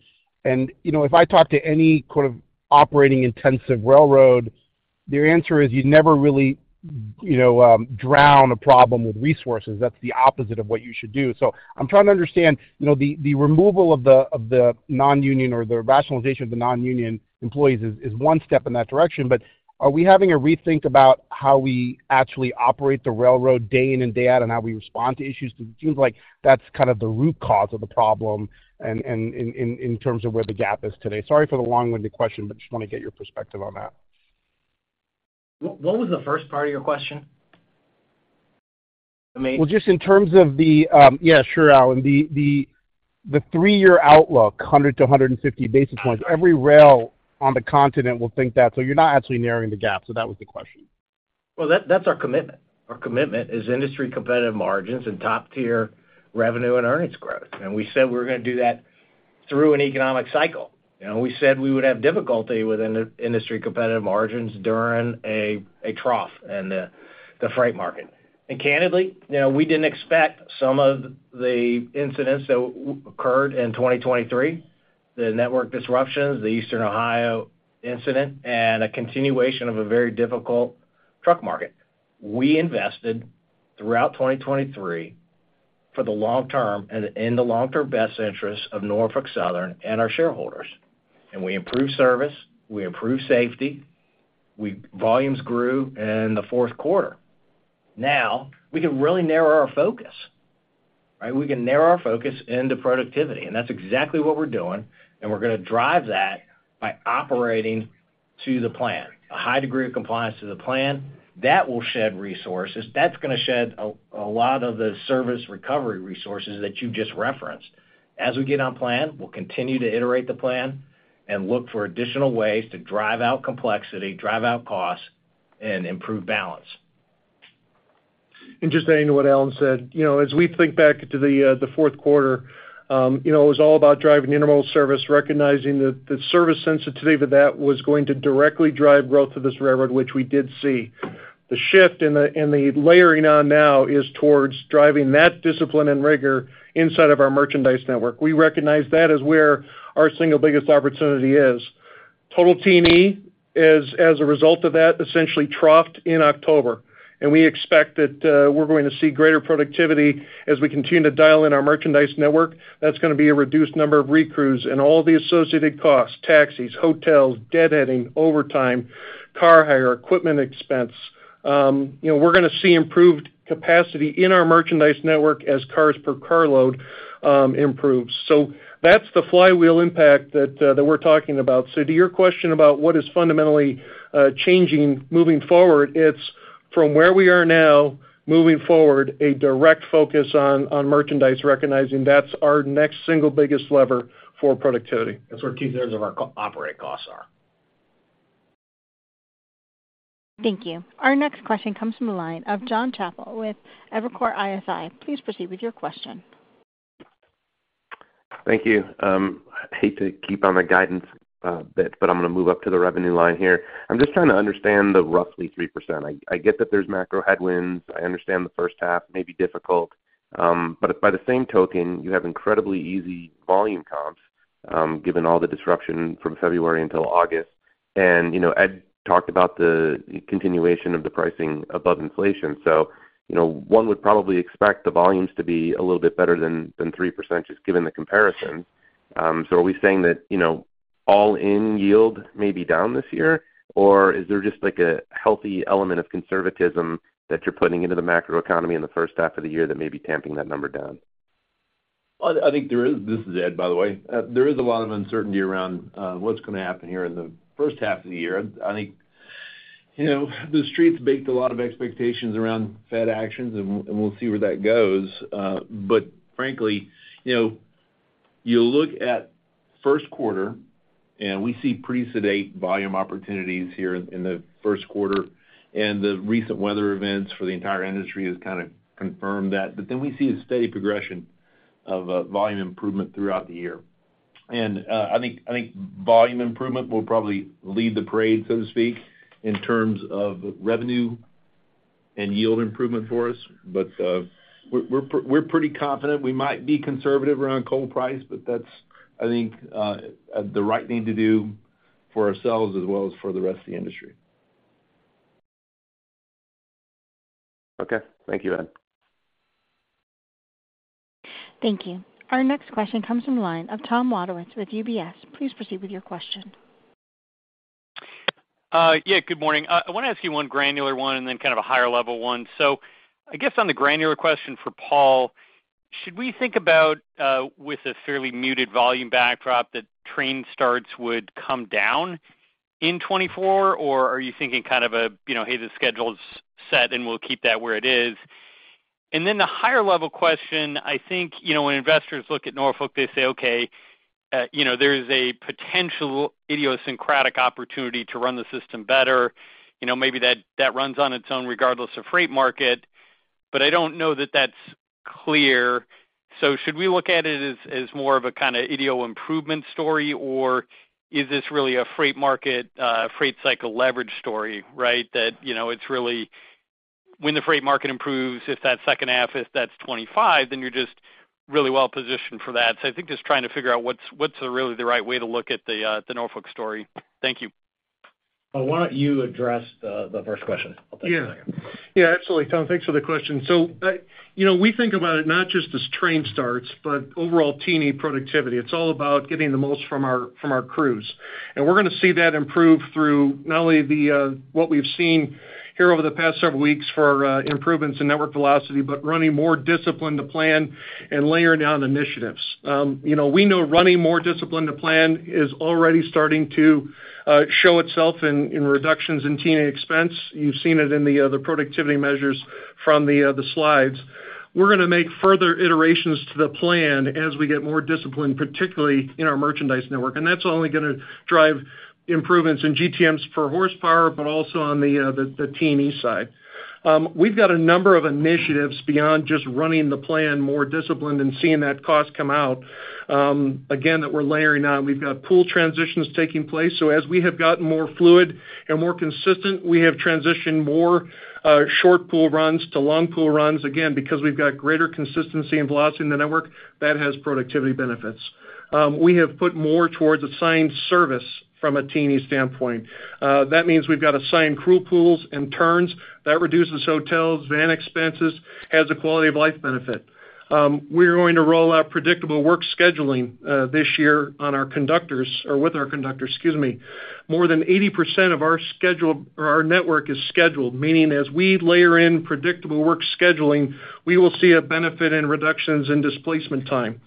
you know, if I talk to any kind of operating-intensive railroad, their answer is, you never really, you know, drown a problem with resources. That's the opposite of what you should do. So I'm trying to understand, you know, the removal of the non-union or the rationalization of the non-union employees is one step in that direction, but are we having a rethink about how we actually operate the railroad day in and day out, and how we respond to issues? It seems like that's kind of the root cause of the problem and in terms of where the gap is today. Sorry for the long-winded question, but just wanna get your perspective on that. What was the first part of your question? Amit. Well, just in terms of the... Yeah, sure, Alan. The three-year outlook, 100-150 basis points, every rail on the continent will think that, so you're not actually narrowing the gap. So that was the question. Well, that, that's our commitment. Our commitment is industry competitive margins and top-tier revenue and earnings growth. We said we're gonna do that through an economic cycle. You know, we said we would have difficulty with industry competitive margins during a trough in the freight market. And candidly, you know, we didn't expect some of the incidents that occurred in 2023, the network disruptions, the Eastern Ohio incident, and a continuation of a very difficult truck market. We invested throughout 2023 for the long term and in the long-term best interest of Norfolk Southern and our shareholders. We improved service, we improved safety, volumes grew in the fourth quarter. Now, we can really narrow our focus, right? We can narrow our focus into productivity, and that's exactly what we're doing, and we're gonna drive that by operating to the plan. A high degree of compliance to the plan, that will shed resources. That's gonna shed a lot of the service recovery resources that you've just referenced. As we get on plan, we'll continue to iterate the plan and look for additional ways to drive out complexity, drive out costs, and improve balance. Just adding to what Alan said, you know, as we think back to the fourth quarter, you know, it was all about driving the intermodal service, recognizing that the service sensitivity to that was going to directly drive growth of this railroad, which we did see. The shift and the layering on now is towards driving that discipline and rigor inside of our merchandise network. We recognize that is where our single biggest opportunity is. Total T&E as a result of that, essentially troughed in October, and we expect that we're going to see greater productivity as we continue to dial in our merchandise network. That's gonna be a reduced number of recrews and all the associated costs, taxis, hotels, deadheading, overtime, car hire, equipment expense. You know, we're gonna see improved capacity in our merchandise network as cars per carload improves. So that's the flywheel impact that we're talking about. So to your question about what is fundamentally changing moving forward, it's from where we are now, moving forward, a direct focus on merchandise, recognizing that's our next single biggest lever for productivity. That's where 2/3 of our operating costs are. Thank you. Our next question comes from the line of John Chappell with Evercore ISI. Please proceed with your question. Thank you. I hate to keep on the guidance bit, but I'm gonna move up to the revenue line here. I'm just trying to understand the roughly 3%. I get that there's macro headwinds. I understand the first half may be difficult, but by the same token, you have incredibly easy volume comps, given all the disruption from February until August. And, you know, Ed talked about the continuation of the pricing above inflation. So, you know, one would probably expect the volumes to be a little bit better than 3%, just given the comparison. So are we saying that, you know, all-in yield may be down this year, or is there just, like, a healthy element of conservatism that you're putting into the macroeconomy in the first half of the year that may be tamping that number down? Well, I think there is... This is Ed, by the way. There is a lot of uncertainty around what's gonna happen here in the first half of the year. I think, you know, the streets baked a lot of expectations around Fed actions, and we'll see where that goes. But frankly, you know, you look at first quarter, and we see pretty sedate volume opportunities here in the first quarter, and the recent weather events for the entire industry has kind of confirmed that. But then we see a steady progression of volume improvement throughout the year. And I think volume improvement will probably lead the parade, so to speak, in terms of revenue and yield improvement for us. But we're pretty confident. We might be conservative around coal price, but that's, I think, the right thing to do for ourselves as well as for the rest of the industry. Okay. Thank you, Ed. Thank you. Our next question comes from the line of Tom Wadewitz with UBS. Please proceed with your question. Yeah, good morning. I wanna ask you one granular one and then kind of a higher-level one. So I guess on the granular question for Paul, should we think about, with a fairly muted volume backdrop, that train starts would come down in 2024, or are you thinking kind of a, you know, "Hey, the schedule's set, and we'll keep that where it is"? And then the higher-level question, I think, you know, when investors look at Norfolk, they say, "Okay, you know, there's a potential idiosyncratic opportunity to run the system better. You know, maybe that, that runs on its own, regardless of freight market," but I don't know that that's clear. So should we look at it as, as more of a kind of idio improvement story, or is this really a freight market, freight cycle leverage story, right? That, you know, it's really when the freight market improves, if that's second half, if that's 2025, then you're just really well positioned for that. So I think just trying to figure out what's, what's really the right way to look at the, the Norfolk story. Thank you. Why don't you address the first question? I'll take the second. Yeah. Yeah, absolutely, Tom. Thanks for the question. So, you know, we think about it not just as train starts, but overall TE productivity. It's all about getting the most from our crews, and we're gonna see that improve through not only the what we've seen here over the past several weeks for improvements in network velocity, but running more discipline to plan and layering down initiatives. You know, we know running more discipline to plan is already starting to show itself in reductions in TE expense. You've seen it in the productivity measures from the slides. We're gonna make further iterations to the plan as we get more disciplined, particularly in our merchandise network, and that's only gonna drive improvements in GTMs per horsepower, but also on the TE side. We've got a number of initiatives beyond just running the plan more disciplined and seeing that cost come out, again, that we're layering on. We've got pool transitions taking place, so as we have gotten more fluid and more consistent, we have transitioned more, short pool runs to long pool runs. Again, because we've got greater consistency and velocity in the network, that has productivity benefits. We have put more towards assigned service from a T&E standpoint. That means we've got assigned crew pools and turns. That reduces hotels, van expenses, has a quality-of-life benefit. We're going to roll out predictable work scheduling, this year on our conductors, or with our conductors, excuse me. More than 80% of our schedule—or our network is scheduled, meaning as we layer in predictable work scheduling, we will see a benefit in reductions in displacement time.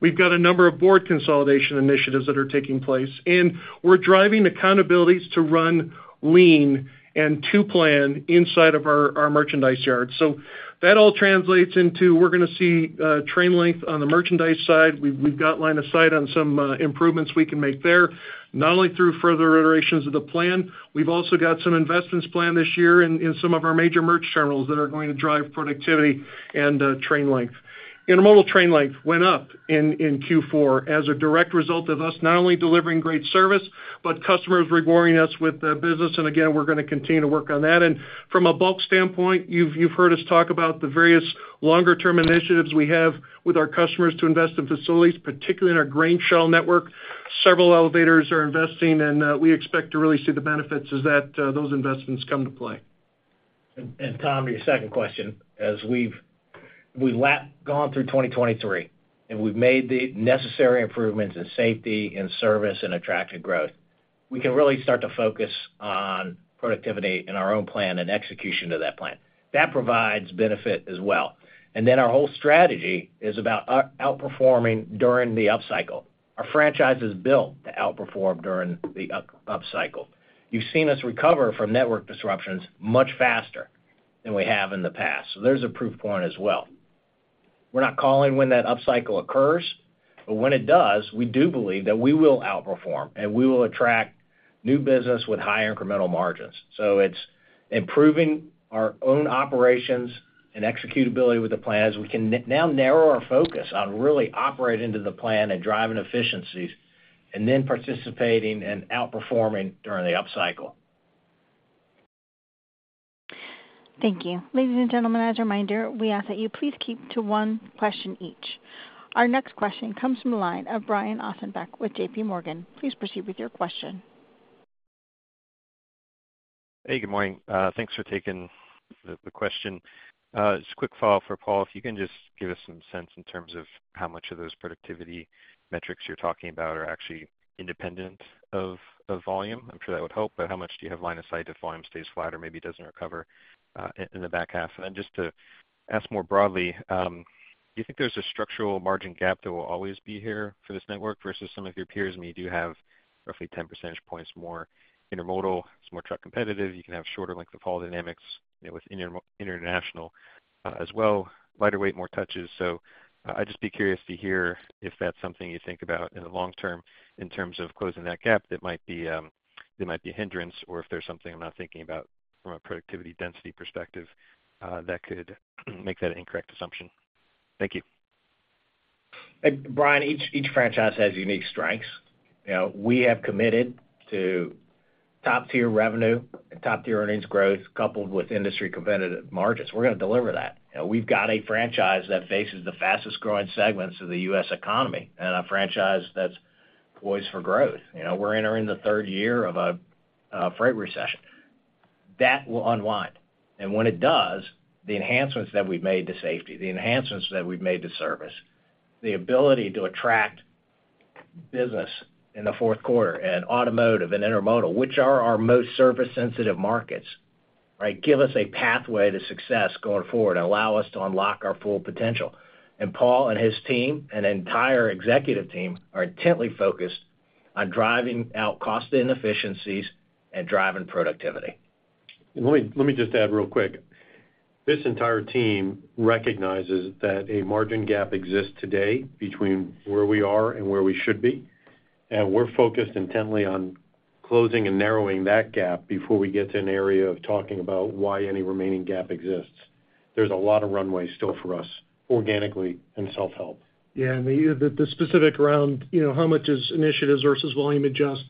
We've got a number of board consolidation initiatives that are taking place, and we're driving accountabilities to run lean and to plan inside of our merchandise yard. So that all translates into, we're gonna see train length on the merchandise side. We've got line of sight on some improvements we can make there, not only through further iterations of the plan, we've also got some investments planned this year in some of our major merch terminals that are going to drive productivity and train length. Intermodal train length went up in Q4 as a direct result of us not only delivering great service, but customers rewarding us with business, and again, we're gonna continue to work on that. From a bulk standpoint, you've heard us talk about the various longer-term initiatives we have with our customers to invest in facilities, particularly in our grain shell network. Several elevators are investing, and we expect to really see the benefits as those investments come to play. And Tom, to your second question, as we've gone through 2023, and we've made the necessary improvements in safety, and service, and attracted growth, we can really start to focus on productivity in our own plan and execution to that plan. That provides benefit as well. And then our whole strategy is about outperforming during the upcycle. Our franchise is built to outperform during the upcycle. You've seen us recover from network disruptions much faster than we have in the past, so there's a proof point as well. We're not calling when that upcycle occurs, but when it does, we do believe that we will outperform, and we will attract new business with higher incremental margins. So it's improving our own operations and executability with the plan, as we can now narrow our focus on really operating to the plan and driving efficiencies, and then participating and outperforming during the upcycle. Thank you. Ladies and gentlemen, as a reminder, we ask that you please keep to one question each. Our next question comes from the line of Brian Ossenbeck with JP Morgan. Please proceed with your question. Hey, good morning. Thanks for taking the question. Just a quick follow-up for Paul. If you can just give us some sense in terms of how much of those productivity metrics you're talking about are actually independent of volume? I'm sure that would help, but how much do you have line of sight if volume stays flat or maybe doesn't recover in the back half? And then just to ask more broadly, do you think there's a structural margin gap that will always be here for this network versus some of your peers, and you do have roughly 10 percentage points more intermodal, it's more truck competitive, you can have shorter length of haul dynamics, you know, with intermodal international, as well, lighter weight, more touches. So I'd just be curious to hear if that's something you think about in the long term in terms of closing that gap, that might be a hindrance, or if there's something I'm not thinking about from a productivity density perspective, that could make that an incorrect assumption. Thank you. Hey, Brian, each franchise has unique strengths. You know, we have committed to top-tier revenue and top-tier earnings growth, coupled with industry-competitive margins. We're going to deliver that. We've got a franchise that faces the fastest-growing segments of the U.S. economy, and a franchise that's poised for growth. You know, we're entering the third year of a freight recession. That will unwind, and when it does, the enhancements that we've made to safety, the enhancements that we've made to service, the ability to attract business in the fourth quarter, and automotive and intermodal, which are our most service-sensitive markets, right, give us a pathway to success going forward and allow us to unlock our full potential. And Paul and his team, and the entire executive team, are intently focused on driving out cost inefficiencies and driving productivity. Let me just add real quick. This entire team recognizes that a margin gap exists today between where we are and where we should be, and we're focused intently on closing and narrowing that gap before we get to an area of talking about why any remaining gap exists. There's a lot of runway still for us, organically and self-help. Yeah, and the specific around, you know, how much is initiatives versus volume adjust,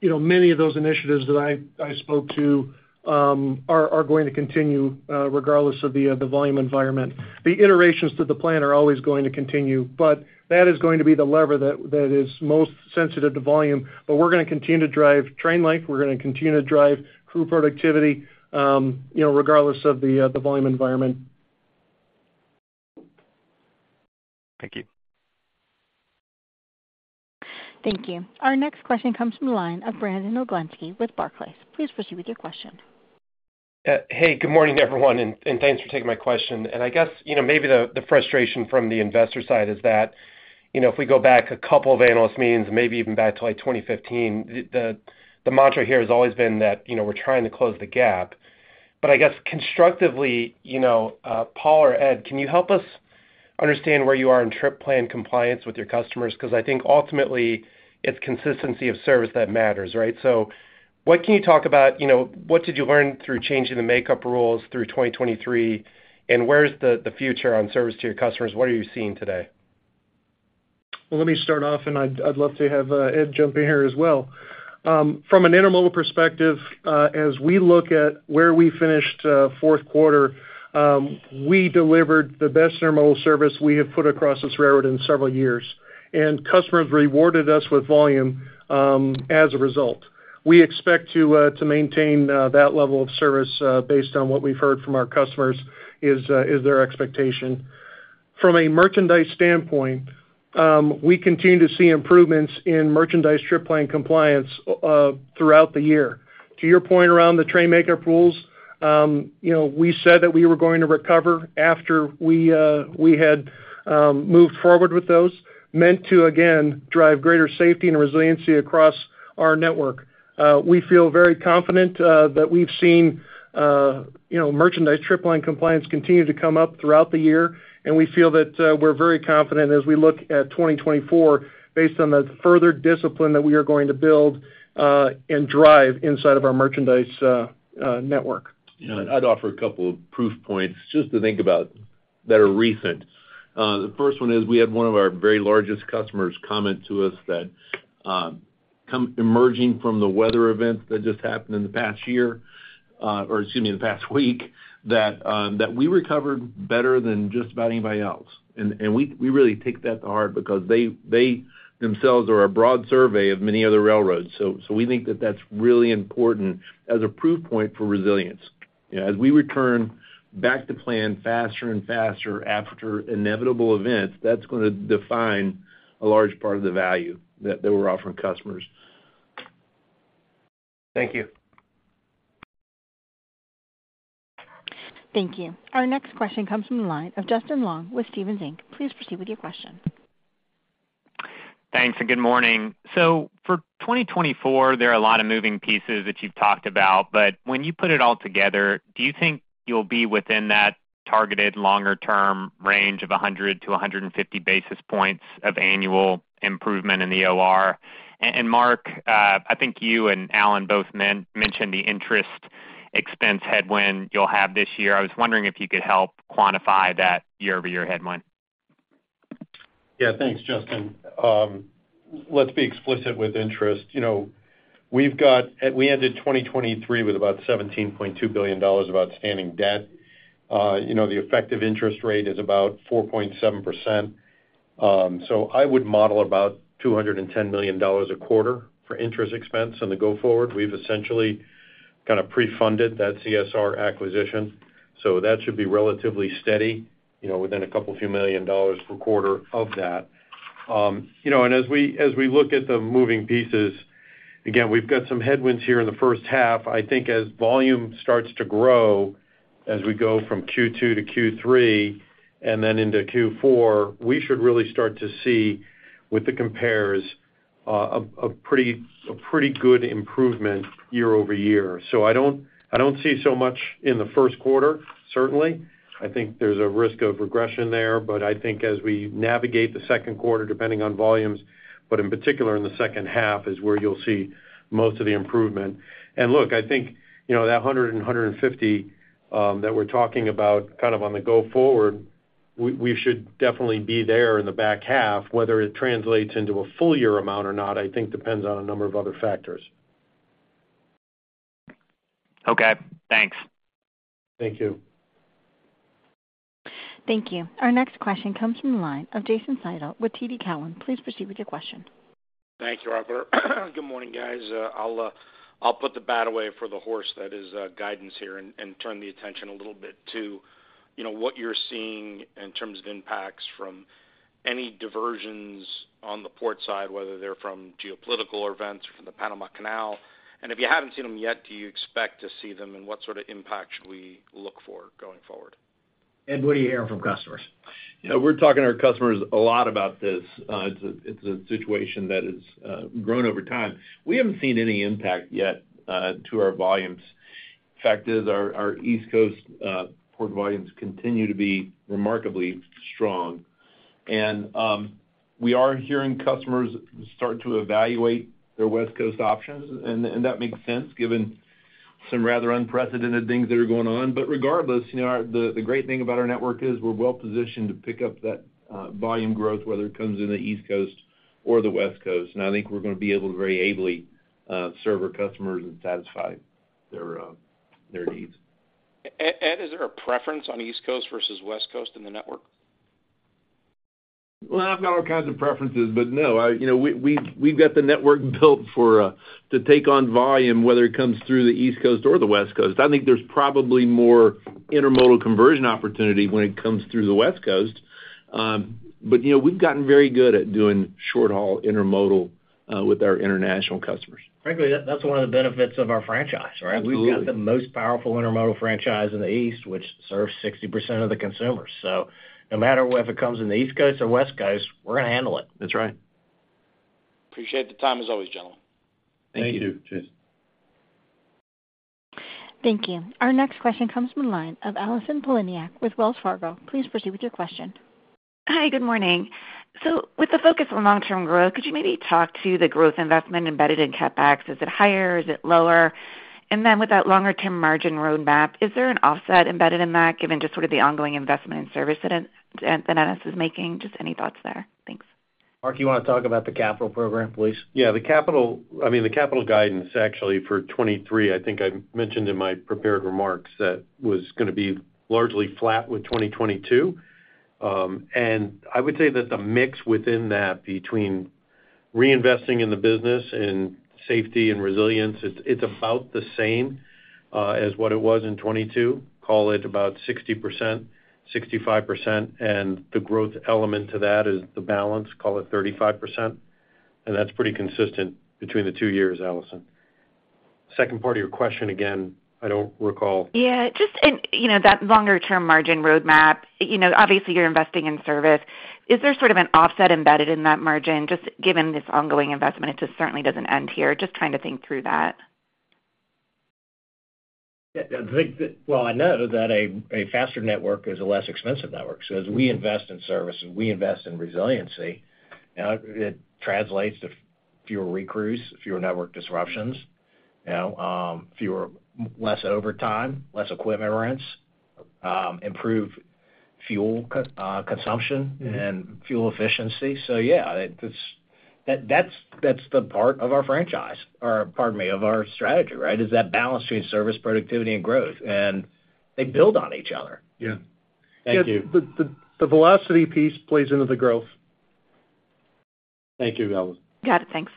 you know, many of those initiatives that I spoke to are going to continue regardless of the volume environment. The iterations to the plan are always going to continue, but that is going to be the lever that is most sensitive to volume. But we're going to continue to drive train length, we're going to continue to drive crew productivity, you know, regardless of the volume environment. Thank you. Thank you. Our next question comes from the line of Brandon Oglenski with Barclays. Please proceed with your question. Hey, good morning, everyone, and thanks for taking my question. I guess, you know, maybe the frustration from the investor side is that, you know, if we go back a couple of analyst meetings, maybe even back to, like, 2015, the mantra here has always been that, you know, we're trying to close the gap. I guess constructively, you know, Paul or Ed, can you help us understand where you are in trip plan compliance with your customers? Because I think ultimately, it's consistency of service that matters, right? What can you talk about, you know, what did you learn through changing the makeup rules through 2023, and where's the future on service to your customers? What are you seeing today? Well, let me start off, and I'd love to have Ed jump in here as well. From an intermodal perspective, as we look at where we finished fourth quarter, we delivered the best intermodal service we have put across this railroad in several years, and customers rewarded us with volume as a result. We expect to maintain that level of service based on what we've heard from our customers, is their expectation. From a merchandise standpoint, we continue to see improvements in merchandise trip plan compliance throughout the year. To your point around the train makeup rules, you know, we said that we were going to recover after we had moved forward with those meant to again drive greater safety and resiliency across our network. We feel very confident that we've seen, you know, merchandise trip plan compliance continue to come up throughout the year, and we feel that we're very confident as we look at 2024, based on the further discipline that we are going to build and drive inside of our merchandise network. Yeah, I'd offer a couple of proof points just to think about, that are recent. The first one is, we had one of our very largest customers comment to us that, emerging from the weather events that just happened in the past year, or excuse me, in the past week that we recovered better than just about anybody else. We really take that to heart because they themselves are a broad survey of many other railroads. We think that that's really important as a proof point for resilience. As we return back to plan faster and faster after inevitable events, that's gonna define a large part of the value that we're offering customers. Thank you. Thank you. Our next question comes from the line of Justin Long with Stephens Inc. Please proceed with your question. Thanks, and good morning. So for 2024, there are a lot of moving pieces that you've talked about, but when you put it all together, do you think you'll be within that targeted longer-term range of 100-150 basis points of annual improvement in the OR? And, Mark, I think you and Alan both mentioned the interest expense headwind you'll have this year. I was wondering if you could help quantify that year-over-year headwind. Yeah, thanks, Justin. Let's be explicit with interest. You know, we've got, we ended 2023 with about $17.2 billion of outstanding debt. You know, the effective interest rate is about 4.7%. So I would model about $210 million a quarter for interest expense on the go forward. We've essentially kind of prefunded that CSR acquisition, so that should be relatively steady, you know, within a couple few million dollars per quarter of that. You know, and as we, as we look at the moving pieces, again, we've got some headwinds here in the first half. I think as volume starts to grow, as we go from Q2 to Q3 and then into Q4, we should really start to see, with the compares a pretty good improvement year-over-year. I don't see so much in the first quarter, certainly. I think there's a risk of regression there, but I think as we navigate the second quarter, depending on volumes, but in particular in the second half, is where you'll see most of the improvement. Look, I think, you know, that 150 that we're talking about kind of on the go forward, we should definitely be there in the back half. Whether it translates into a full year amount or not, I think depends on a number of other factors. Okay, thanks. Thank you. Thank you. Our next question comes from the line of Jason Seidl with TD Cowen. Please proceed with your question. Thank you, operator. Good morning, guys. I'll put the bat away for the horse, that is, guidance here, and turn the attention a little bit to, you know, what you're seeing in terms of impacts from any diversions on the port side, whether they're from geopolitical events or from the Panama Canal. If you haven't seen them yet, do you expect to see them, and what sort of impact should we look for going forward? Ed, what are you hearing from customers? You know, we're talking to our customers a lot about this. It's a situation that has grown over time. We haven't seen any impact yet to our volumes. The fact is, our East Coast port volumes continue to be remarkably strong. And, we are hearing customers start to evaluate their West Coast options, and that makes sense given some rather unprecedented things that are going on. But regardless, you know, the great thing about our network is we're well positioned to pick up that volume growth, whether it comes in the East Coast or the West Coast, and I think we're gonna be able to very ably serve our customers and satisfy their needs. Ed, is there a preference on East Coast versus West Coast in the network? Well, I've got all kinds of preferences, but no. You know, we've got the network built for to take on volume, whether it comes through the East Coast or the West Coast. I think there's probably more intermodal conversion opportunity when it comes through the West Coast. But, you know, we've gotten very good at doing short-haul intermodal with our international customers. Frankly, that's one of the benefits of our franchise, right? Absolutely. We've got the most powerful intermodal franchise in the East, which serves 60% of the consumers. So no matter whether it comes in the East Coast or West Coast, we're gonna handle it. That's right. Appreciate the time, as always, gentlemen. Thank you. Thank you. Cheers. Thank you. Our next question comes from the line of Allison Poliniak with Wells Fargo. Please proceed with your question. Hi, good morning. So with the focus on long-term growth, could you maybe talk to the growth investment embedded in CapEx? Is it higher? Is it lower? And then with that longer-term margin roadmap, is there an offset embedded in that, given just sort of the ongoing investment in service that NS is making? Just any thoughts there? Thanks. Mark, you want to talk about the capital program, please? Yeah, the capital—I mean, the capital guidance, actually, for 2023, I think I mentioned in my prepared remarks that was gonna be largely flat with 2022. And I would say that the mix within that, between reinvesting in the business and safety and resilience, it's about the same as what it was in 2022. Call it about 60%-65%, and the growth element to that is the balance, call it 35%, and that's pretty consistent between the two years, Allison. Second part of your question again, I don't recall. Yeah, just in, you know, that longer-term margin roadmap, you know, obviously, you're investing in service. Is there sort of an offset embedded in that margin, just given this ongoing investment? It just certainly doesn't end here. Just trying to think through that. Yeah, Well, I know that a faster network is a less expensive network. So as we invest in service and we invest in resiliency, you know, it translates to fewer recrews, fewer network disruptions, you know, fewer less overtime, less equipment rents, improved fuel consumption and fuel efficiency. So yeah, it's that that's the part of our franchise, or pardon me, of our strategy, right? Is that balance between service, productivity, and growth, and they build on each other. Yeah. Thank you. The velocity piece plays into the growth. Thank you, Melvin. Got it. Thanks.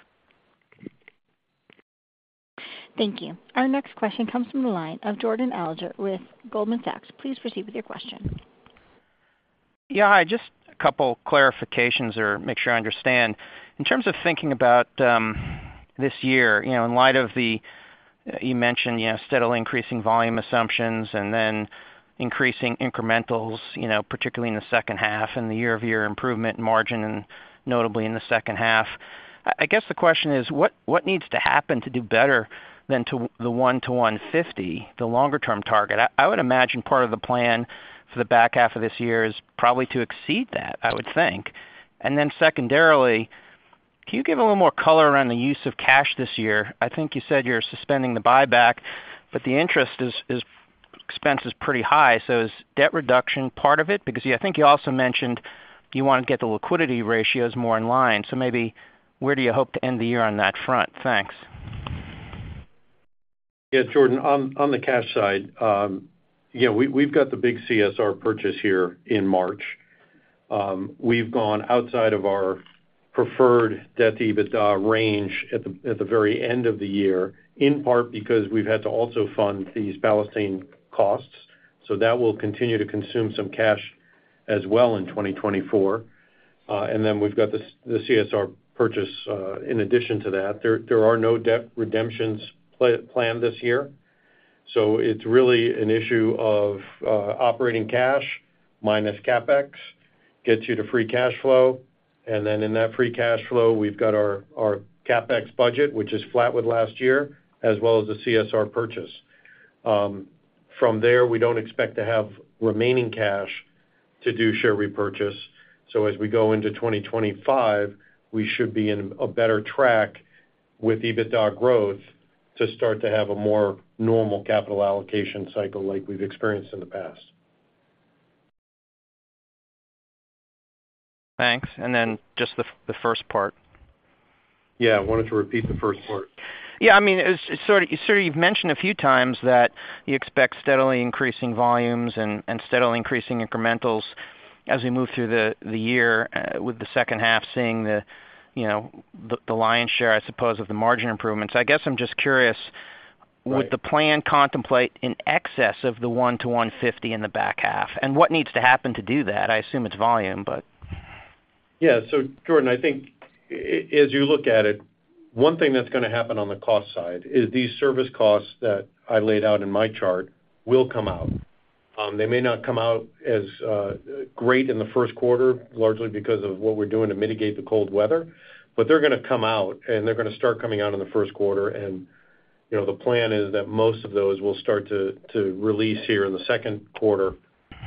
Thank you. Our next question comes from the line of Jordan Alliger with Goldman Sachs. Please proceed with your question. Yeah, hi, just a couple clarifications or make sure I understand. In terms of thinking about this year, you know, in light of the you mentioned, you know, steadily increasing volume assumptions and then increasing incrementals, you know, particularly in the second half and the year-over-year improvement in margin, and notably in the second half. I guess, the question is: what needs to happen to do better than the 100-150, the longer term target? I would imagine part of the plan for the back half of this year is probably to exceed that, I would think. And then secondarily, can you give a little more color around the use of cash this year? I think you said you're suspending the buyback, but the interest expense is pretty high, so is debt reduction part of it? Because I think you also mentioned you want to get the liquidity ratios more in line, so maybe where do you hope to end the year on that front? Thanks. Yeah, Jordan, on the cash side, yeah, we've got the big CSR purchase here in March. We've gone outside of our preferred debt-to-EBITDA range at the very end of the year, in part because we've had to also fund these East Palestine costs, so that will continue to consume some cash as well in 2024. And then we've got the CSR purchase in addition to that. There are no debt redemptions planned this year, so it's really an issue of operating cash minus CapEx gets you to free cash flow, and then in that free cash flow, we've got our CapEx budget, which is flat with last year, as well as the CSR purchase. From there, we don't expect to have remaining cash to do share repurchase, so as we go into 2025, we should be in a better track with EBITDA growth to start to have a more normal capital allocation cycle like we've experienced in the past. Thanks. And then just the first part. Yeah, I wanted to repeat the first part. Yeah, I mean, it's sort of, sir, you've mentioned a few times that you expect steadily increasing volumes and steadily increasing incrementals as we move through the year with the second half seeing, you know, the lion's share, I suppose, of the margin improvements. I guess I'm just curious, would the plan contemplate in excess of the 100te-150 in the back half? And what needs to happen to do that? I assume it's volume, but... Yeah. So Jordan, I think as you look at it, one thing that's going to happen on the cost side is these service costs that I laid out in my chart will come out. They may not come out as great in the first quarter, largely because of what we're doing to mitigate the cold weather, but they're going to come out, and they're going to start coming out in the first quarter. And, you know, the plan is that most of those will start to release here in the second quarter,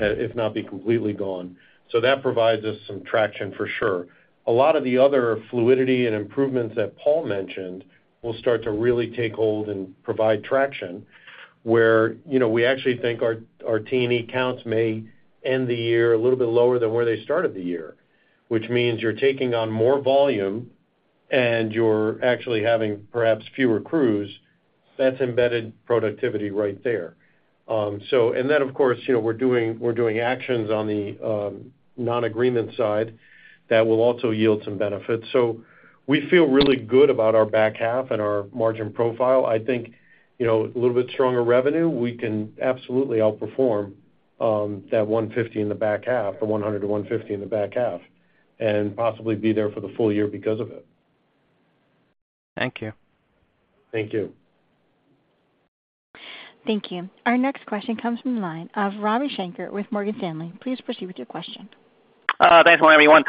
if not be completely gone. So that provides us some traction, for sure. A lot of the other fluidity and improvements that Paul mentioned will start to really take hold and provide traction, where, you know, we actually think our T&E counts may end the year a little bit lower than where they started the year. Which means you're taking on more volume, and you're actually having perhaps fewer crews. That's embedded productivity right there. So we're doing actions on the non-agreement side that will also yield some benefits. So we feel really good about our back half and our margin profile. I think, you know, a little bit stronger revenue, we can absolutely outperform that 150 in the back half, the 100-150 in the back half, and possibly be there for the full year because of it. Thank you. Thank you. Thank you. Our next question comes from the line of Ravi Shanker with Morgan Stanley. Please proceed with your question. Thanks for having me, everyone.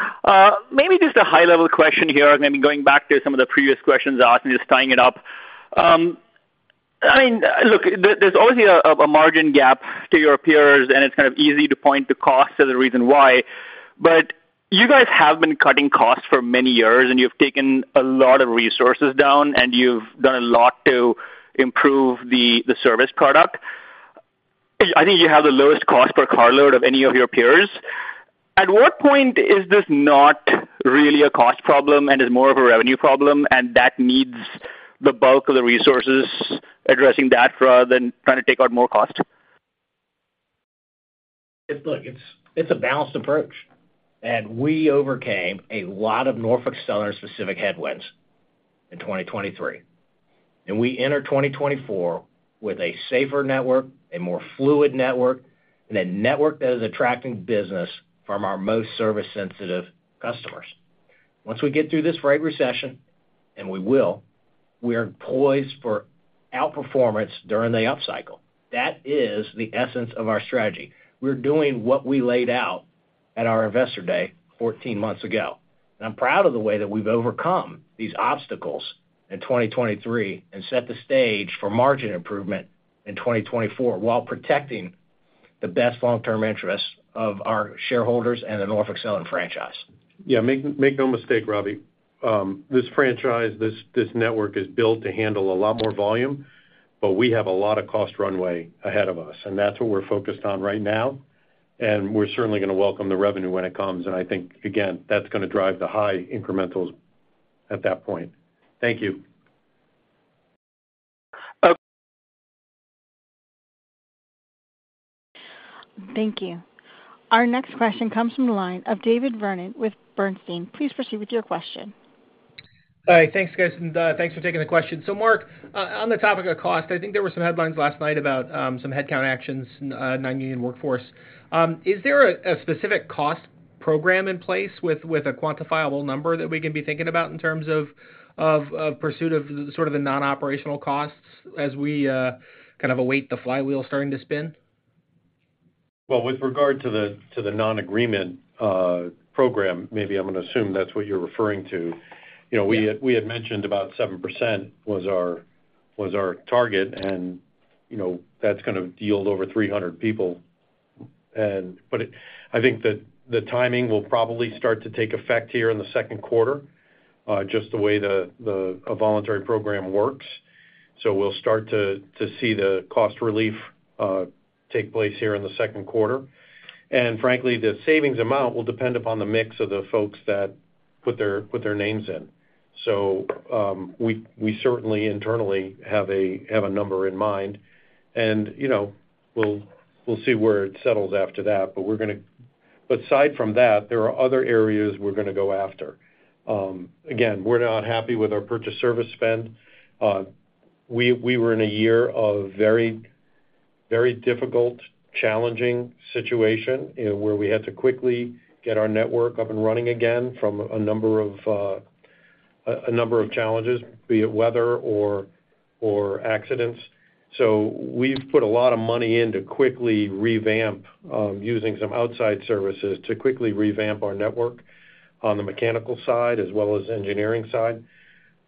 Maybe just a high-level question here, maybe going back to some of the previous questions asked and just tying it up. I mean, look, there's always a margin gap to your peers, and it's kind of easy to point to cost as the reason why, but you guys have been cutting costs for many years, and you've taken a lot of resources down, and you've done a lot to improve the service product. I think you have the lowest cost per carload of any of your peers. At what point is this not really a cost problem and is more of a revenue problem, and that needs the bulk of the resources addressing that rather than trying to take out more cost? Look, it's, it's a balanced approach, and we overcame a lot of Norfolk Southern-specific headwinds in 2023. And we enter 2024 with a safer network, a more fluid network, and a network that is attracting business from our most service-sensitive customers. Once we get through this rate recession, and we will, we are poised for outperformance during the upcycle. That is the essence of our strategy. We're doing what we laid out at our Investor Day 14 months ago. And I'm proud of the way that we've overcome these obstacles in 2023 and set the stage for margin improvement in 2024, while protecting the best long-term interests of our shareholders and the Norfolk Southern franchise. Yeah, make no mistake, Ravi, this franchise, this network is built to handle a lot more volume, but we have a lot of cost runway ahead of us, and that's what we're focused on right now, and we're certainly going to welcome the revenue when it comes, and I think, again, that's going to drive the high incrementals at that point. Thank you. Thank you. Our next question comes from the line of David Vernon with Bernstein. Please proceed with your question. Hi. Thanks, guys, and thanks for taking the question. So Mark, on the topic of cost, I think there were some headlines last night about some headcount actions, non-union workforce. Is there a specific cost program in place with a quantifiable number that we can be thinking about in terms of pursuit of sort of the non-operational costs as we kind of await the flywheel starting to spin? Well, with regard to the non-agreement program, maybe I'm going to assume that's what you're referring to. You know, we had mentioned about 7% was our target, and, you know, that's going to yield over 300 people. I think that the timing will probably start to take effect here in the second quarter, just the way a voluntary program works. So we'll start to see the cost relief take place here in the second quarter. And frankly, the savings amount will depend upon the mix of the folks that put their names in. So, we certainly internally have a number in mind, and, you know, we'll see where it settles after that. Aside from that, there are other areas we're going to go after. Again, we're not happy with our purchased services spend. We were in a year of very, very difficult, challenging situation, you know, where we had to quickly get our network up and running again from a number of challenges, be it weather or accidents. So we've put a lot of money in to quickly revamp using some outside services to quickly revamp our network on the mechanical side as well as engineering side.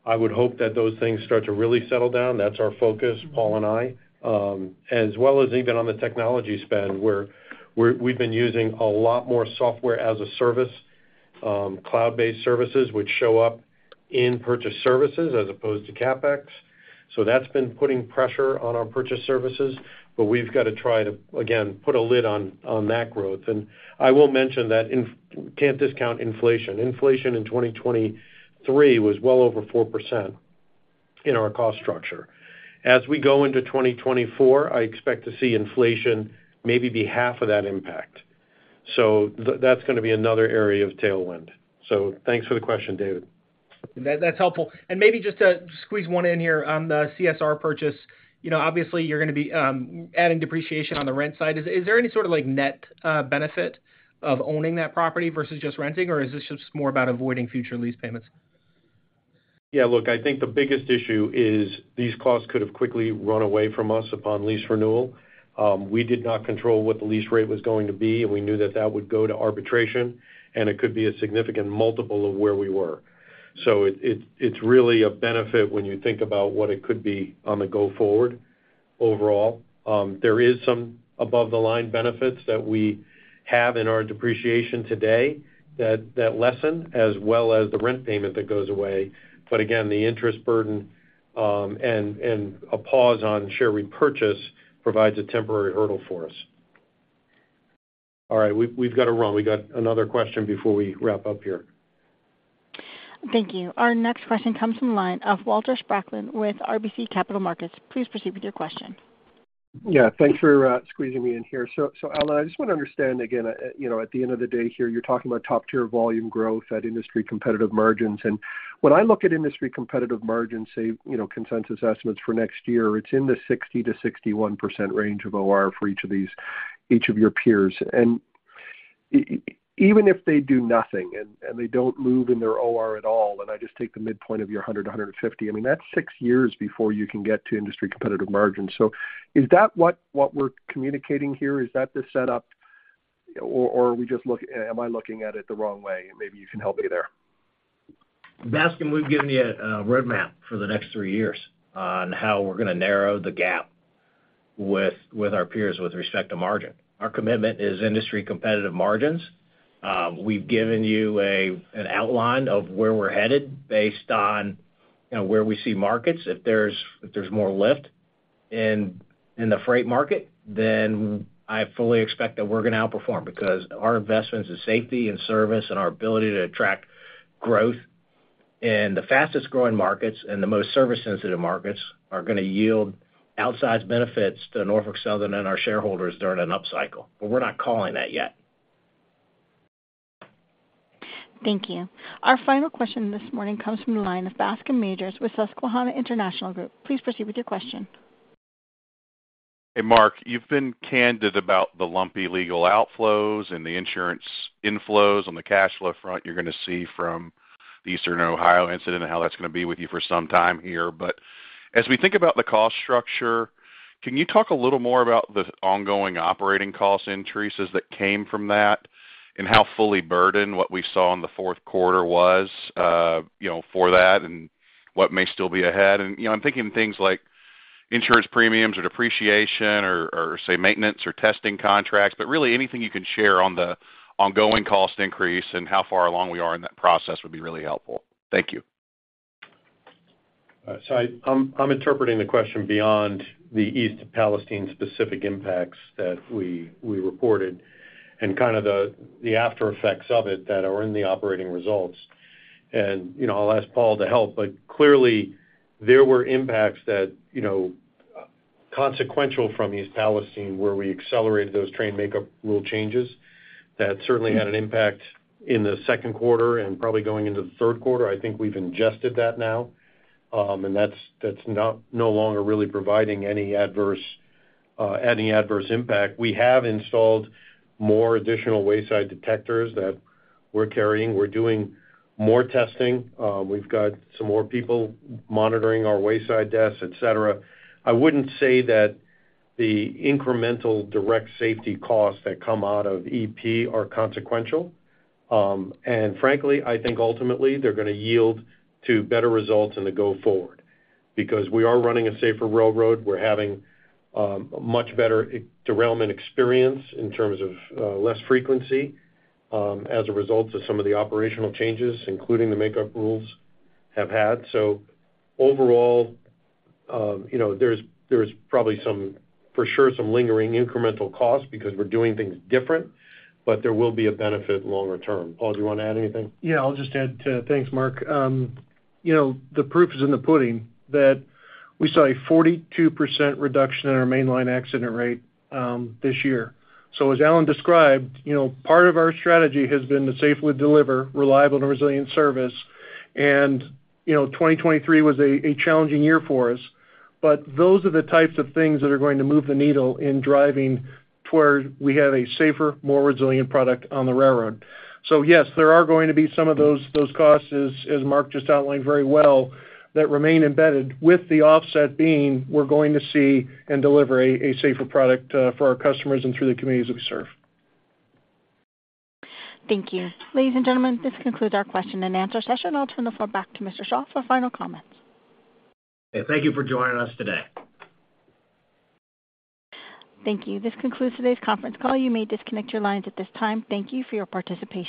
I would hope that those things start to really settle down. That's our focus, Paul and I, as well as even on the technology spend, where we've been using a lot more software as a service, cloud-based services, which show up in purchase services as opposed to CapEx. So that's been putting pressure on our purchase services, but we've got to try to, again, put a lid on that growth. And I will mention that can't discount inflation. Inflation in 2023 was well over 4% in our cost structure. As we go into 2024, I expect to see inflation maybe be half of that impact. So that's going to be another area of tailwind. So thanks for the question, David. That, that's helpful. And maybe just to squeeze one in here on the CSR purchase. You know, obviously, you're going to be adding depreciation on the rent side. Is there any sort of, like, net benefit of owning that property versus just renting, or is this just more about avoiding future lease payments? Yeah, look, I think the biggest issue is these costs could have quickly run away from us upon lease renewal. We did not control what the lease rate was going to be, and we knew that would go to arbitration, and it could be a significant multiple of where we were. So it's really a benefit when you think about what it could be on the go forward overall. There is some above-the-line benefits that we have in our depreciation today that lessen, as well as the rent payment that goes away. But again, the interest burden and a pause on share repurchase provides a temporary hurdle for us. All right, we've got to run. We got another question before we wrap up here. Thank you. Our next question comes from the line of Walter Spracklin with RBC Capital Markets. Please proceed with your question. Yeah, thanks for squeezing me in here. So, so Alan, I just want to understand again, you know, at the end of the day here, you're talking about top-tier volume growth at industry competitive margins. And when I look at industry competitive margins, say, you know, consensus estimates for next year, it's in the 60%-61% range of OR for each of these, each of your peers. And even if they do nothing, and they don't move in their OR at all, and I just take the midpoint of your 100-150, I mean, that's six years before you can get to industry competitive margins. So is that what we're communicating here? Is that the setup, or are we just looking—am I looking at it the wrong way? Maybe you can help me there. Bascome, we've given you a roadmap for the next three years on how we're going to narrow the gap with our peers with respect to margin. Our commitment is industry competitive margins. We've given you an outline of where we're headed based on, you know, where we see markets. If there's more lift in the freight market, then I fully expect that we're going to outperform because our investments in safety and service and our ability to attract growth in the fastest-growing markets and the most service-sensitive markets are going to yield outsized benefits to Norfolk Southern and our shareholders during an upcycle, but we're not calling that yet. Thank you. Our final question this morning comes from the line of Bascome Majors with Susquehanna International Group. Please proceed with your question. Hey, Mark, you've been candid about the lumpy legal outflows and the insurance inflows on the cash flow front you're going to see from the Eastern Ohio incident and how that's going to be with you for some time here. But as we think about the cost structure, can you talk a little more about the ongoing operating cost increases that came from that and how fully burdened what we saw in the fourth quarter was, you know, for that and what may still be ahead? And, you know, I'm thinking things like... insurance premiums or depreciation or, or say, maintenance or testing contracts, but really anything you can share on the ongoing cost increase and how far along we are in that process would be really helpful. Thank you. So I'm interpreting the question beyond the East Palestine specific impacts that we reported and kind of the after effects of it that are in the operating results. You know, I'll ask Paul to help, but clearly, there were impacts that, you know, consequential from East Palestine, where we accelerated those train makeup rule changes. That certainly had an impact in the second quarter and probably going into the third quarter. I think we've ingested that now, and that's not no longer really providing any adverse, any adverse impact. We have installed more additional wayside detectors that we're carrying. We're doing more testing. We've got some more people monitoring our wayside desks, et cetera. I wouldn't say that the incremental direct safety costs that come out of EP are consequential. Frankly, I think ultimately they're gonna yield to better results in the going forward, because we are running a safer railroad. We're having much better derailment experience in terms of less frequency as a result of some of the operational changes, including the make-up rules have had. So overall, you know, there's probably some, for sure, some lingering incremental costs because we're doing things different, but there will be a benefit longer term. Paul, do you wanna add anything? Yeah, I'll just add to... Thanks, Mark. You know, the proof is in the pudding that we saw a 42% reduction in our mainline accident rate this year. So as Alan described, you know, part of our strategy has been to safely deliver reliable and resilient service. And, you know, 2023 was a challenging year for us, but those are the types of things that are going to move the needle in driving toward we have a safer, more resilient product on the railroad. So yes, there are going to be some of those costs, as Mark just outlined very well, that remain embedded, with the offset being, we're going to see and deliver a safer product for our customers and through the communities that we serve. Thank you. Ladies and gentlemen, this concludes our Q&A session. I'll turn the floor back to Mr. Shaw for final comments. Thank you for joining us today. Thank you. This concludes today's conference call. You may disconnect your lines at this time. Thank you for your participation.